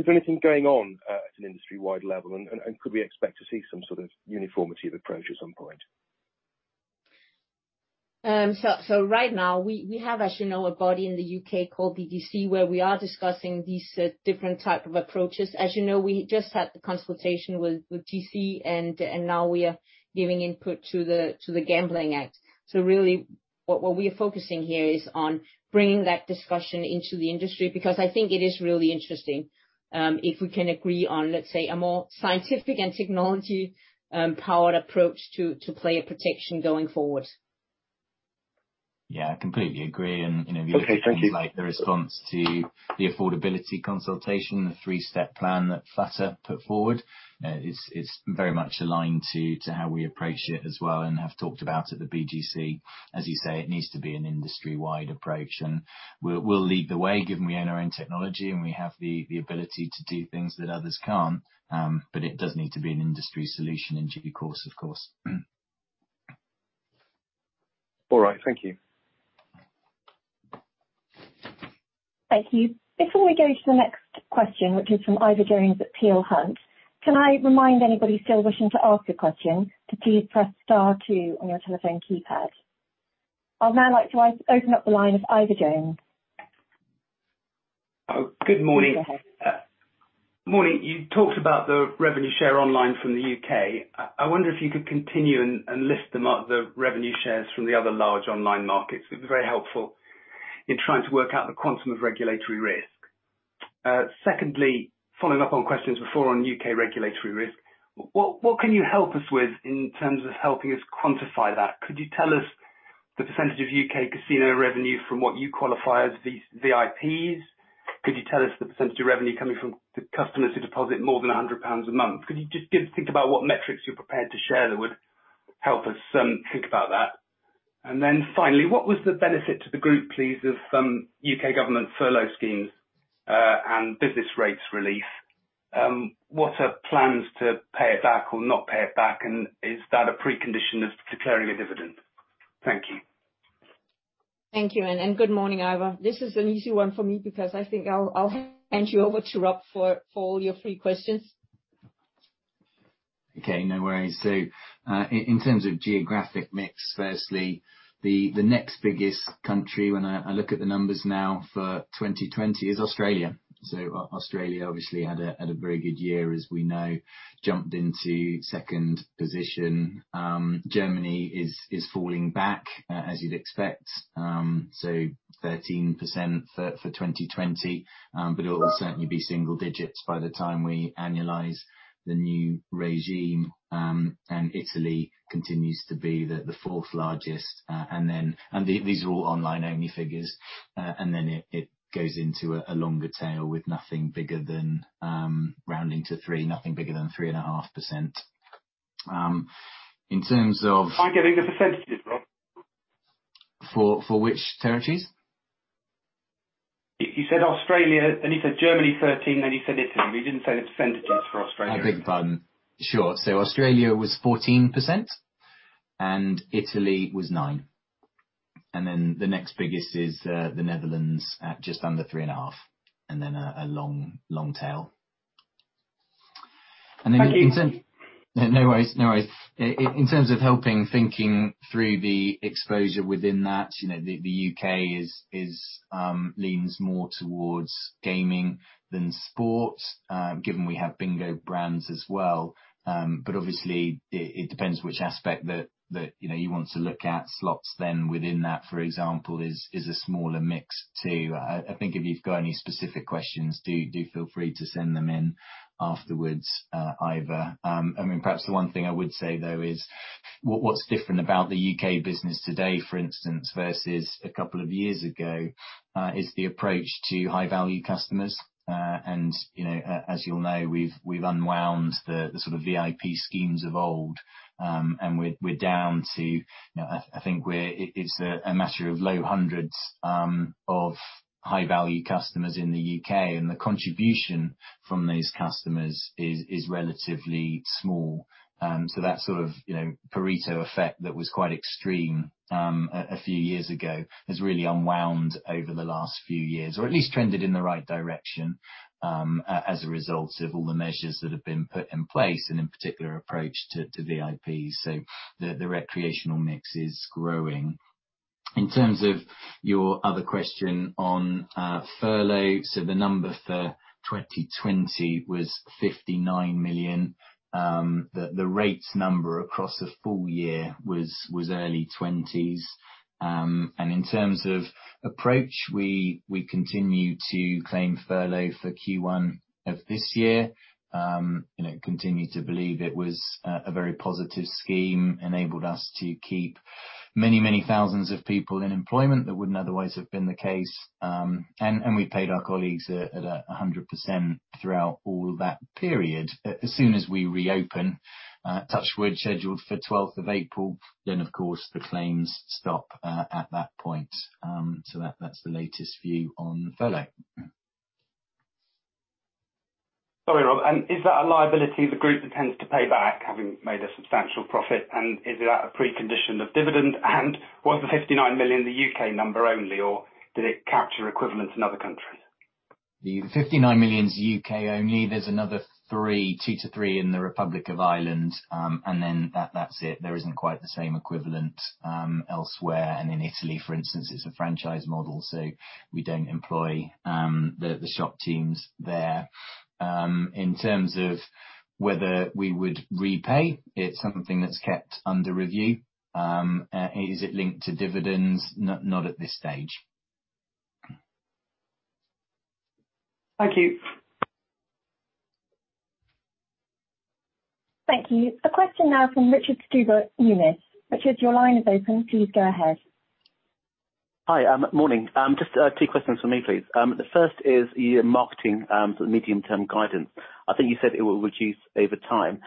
Is there anything going on at an industry-wide level, and could we expect to see some sort of uniformity of approach at some point? So right now, we have, as you know, a body in the U.K. called the BGC where we are discussing these different types of approaches. As you know, we just had the consultation with GC, and now we are giving input to the Gambling Act. So really, what we are focusing here is on bringing that discussion into the industry because I think it is really interesting if we can agree on, let's say, a more scientific and technology-powered approach to player protection going forward. Yeah, I completely agree. And the response to the affordability consultation, the three-step plan that Flutter put forward, it's very much aligned to how we approach it as well and have talked about at the BGC. As you say, it needs to be an industry-wide approach, and we'll lead the way given we own our own technology and we have the ability to do things that others can't. But it does need to be an industry solution in due course, of course. All right. Thank you. Thank you. Before we go to the next question, which is from Ivor Jones at Peel Hunt, can I remind anybody still wishing to ask a question to please press star two on your telephone keypad? I'd now like to open up the line of Ivor Jones. Good morning. Morning. You talked about the revenue share online from the U.K. I wonder if you could continue and list them up, the revenue shares from the other large online markets. It would be very helpful in trying to work out the quantum of regulatory risk. Secondly, following up on questions before on U.K. regulatory risk, what can you help us with in terms of helping us quantify that? Could you tell us the percentage of U.K. casino revenue from what you qualify as VIPs? Could you tell us the percentage of revenue coming from the customers who deposit more than 100 pounds a month? Could you just think about what metrics you're prepared to share that would help us think about that? And then finally, what was the benefit to the group, please, of U.K. government furlough schemes and business rates relief? What are plans to pay it back or not pay it back? And is that a precondition of declaring a dividend? Thank you. Thank you. And good morning, Ivor. This is an easy one for me because I think I'll hand you over to Rob for all your three questions. Okay. No worries. So in terms of geographic mix, firstly, the next biggest country, when I look at the numbers now for 2020, is Australia. So Australia obviously had a very good year, as we know, jumped into second position. Germany is falling back, as you'd expect, so 13% for 2020. But it will certainly be single digits by the time we analyze the new regime. Italy continues to be the fourth largest. These are all online-only figures. Then it goes into a longer tail with nothing bigger than rounding to three, nothing bigger than 3.5%. In terms of? I'm getting the percentages, Rob. For which territories? You said Australia. Then you said Germany 13%, then you said Italy. But you didn't say the percentages for Australia. Sure. So Australia was 14%, and Italy was 9%. Then the next biggest is the Netherlands, just under 3.5%, and then a long tail. Then in terms. Thank you. No worries. No worries. In terms of helping thinking through the exposure within that, the U.K. leans more towards gaming than sports, given we have bingo brands as well. But obviously, it depends which aspect that you want to look at. Slots then within that, for example, is a smaller mix too. I think if you've got any specific questions, do feel free to send them in afterwards, Ivor. I mean, perhaps the one thing I would say, though, is what's different about the U.K. business today, for instance, versus a couple of years ago, is the approach to high-value customers. And as you'll know, we've unwound the sort of VIP schemes of old, and we're down to, I think it's a matter of low hundreds of high-value customers in the U.K. And the contribution from these customers is relatively small. That sort of Pareto effect that was quite extreme a few years ago has really unwound over the last few years, or at least trended in the right direction as a result of all the measures that have been put in place and in particular approach to VIPs. The recreational mix is growing. In terms of your other question on furlough, the number for 2020 was 59 million. The rates number across a full year was early 20s million GBP. In terms of approach, we continue to claim furlough for Q1 of this year. We continue to believe it was a very positive scheme, enabled us to keep many, many thousands of people in employment that wouldn't otherwise have been the case. We paid our colleagues at 100% throughout all of that period. As soon as we reopen, touch wood, scheduled for 12th of April, then, of course, the claims stop at that point. So that's the latest view on furlough. Sorry, Rob. And is that a liability the group intends to pay back, having made a substantial profit? And is that a precondition of dividend? And was the 59 million the U.K. number only, or did it capture equivalents in other countries? The 59 million is U.K. only. There's another three, two to three in the Republic of Ireland, and then that's it. There isn't quite the same equivalent elsewhere. And in Italy, for instance, it's a franchise model, so we don't employ the shop teams there. In terms of whether we would repay, it's something that's kept under review. Is it linked to dividends? Not at this stage. Thank you. Thank you. A question now from Richard Stuber. Richard, your line is open. Please go ahead. Hi. Morning. Just two questions for me, please. The first is your marketing sort of medium-term guidance. I think you said it will reduce over time.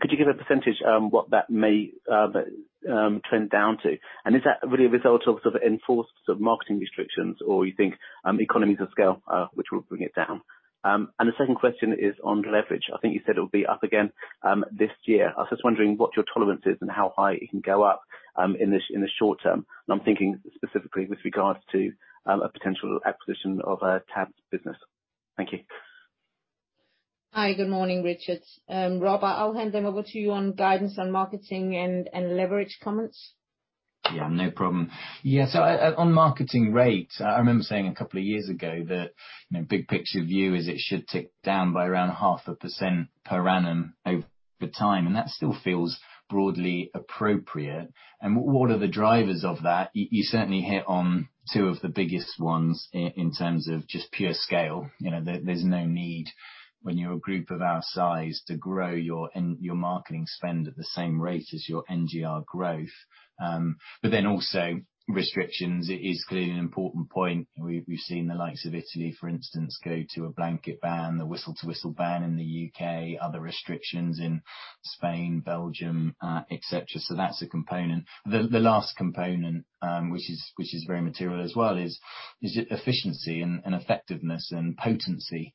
Could you give a percentage what that may trend down to? And is that really a result of sort of enforced marketing restrictions, or you think economies of scale, which will bring it down? And the second question is on leverage. I think you said it would be up again this year. I was just wondering what your tolerance is and how high it can go up in the short term. And I'm thinking specifically with regards to a potential acquisition of a Tabcorp business. Thank you. Hi. Good morning, Richard. Rob, I'll hand them over to you on guidance on marketing and leverage comments. Yeah, no problem. Yeah. So on marketing rates, I remember saying a couple of years ago that big picture view is it should tick down by around 0.5% per annum over time. And that still feels broadly appropriate. And what are the drivers of that? You certainly hit on two of the biggest ones in terms of just pure scale. There's no need, when you're a group of our size, to grow your marketing spend at the same rate as your NGR growth. But then also, restrictions is clearly an important point. We've seen the likes of Italy, for instance, go to a blanket ban, the whistle-to-whistle ban in the U.K., other restrictions in Spain, Belgium, etc. So that's a component. The last component, which is very material as well, is efficiency and effectiveness and potency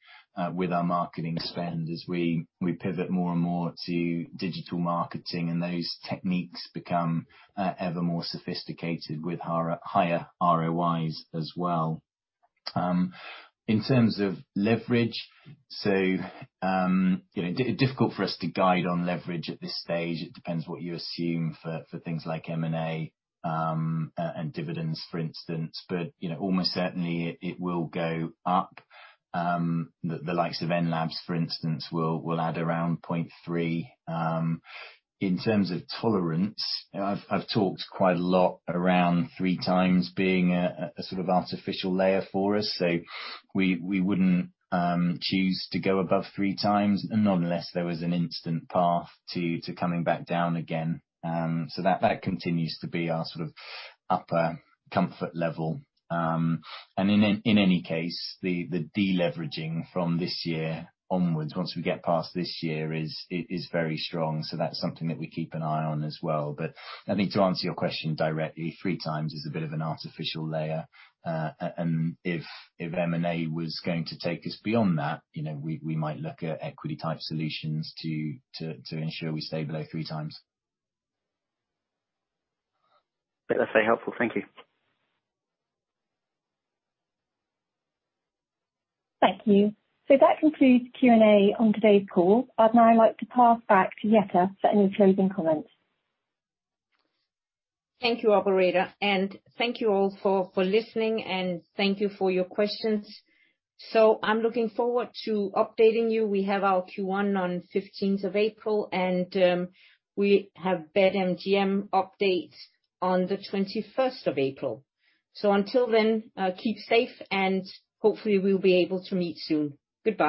with our marketing spend as we pivot more and more to digital marketing and those techniques become ever more sophisticated with higher ROIs as well. In terms of leverage, so difficult for us to guide on leverage at this stage. It depends what you assume for things like M&A and dividends, for instance. But almost certainly, it will go up. The likes of Enlabs, for instance, will add around 0.3. In terms of tolerance, I've talked quite a lot around 3x being a sort of artificial leverage for us. So we wouldn't choose to go above 3x, not unless there was an instant path to coming back down again. So that continues to be our sort of upper comfort level. In any case, the deleveraging from this year onwards, once we get past this year, is very strong. That's something that we keep an eye on as well. I think to answer your question directly, 3x is a bit of an artificial layer. If M&A was going to take us beyond that, we might look at equity-type solutions to ensure we stay below 3x. That's very helpful. Thank you. Thank you. That concludes Q&A on today's call. I'd now like to pass back to Jette for any closing comments. Thank you, Ivor. And thank you all for listening, and thank you for your questions. I'm looking forward to updating you. We have our Q1 on 15th of April, and we have BetMGM update on the 21st of April. Until then, keep safe, and hopefully, we'll be able to meet soon. Goodbye.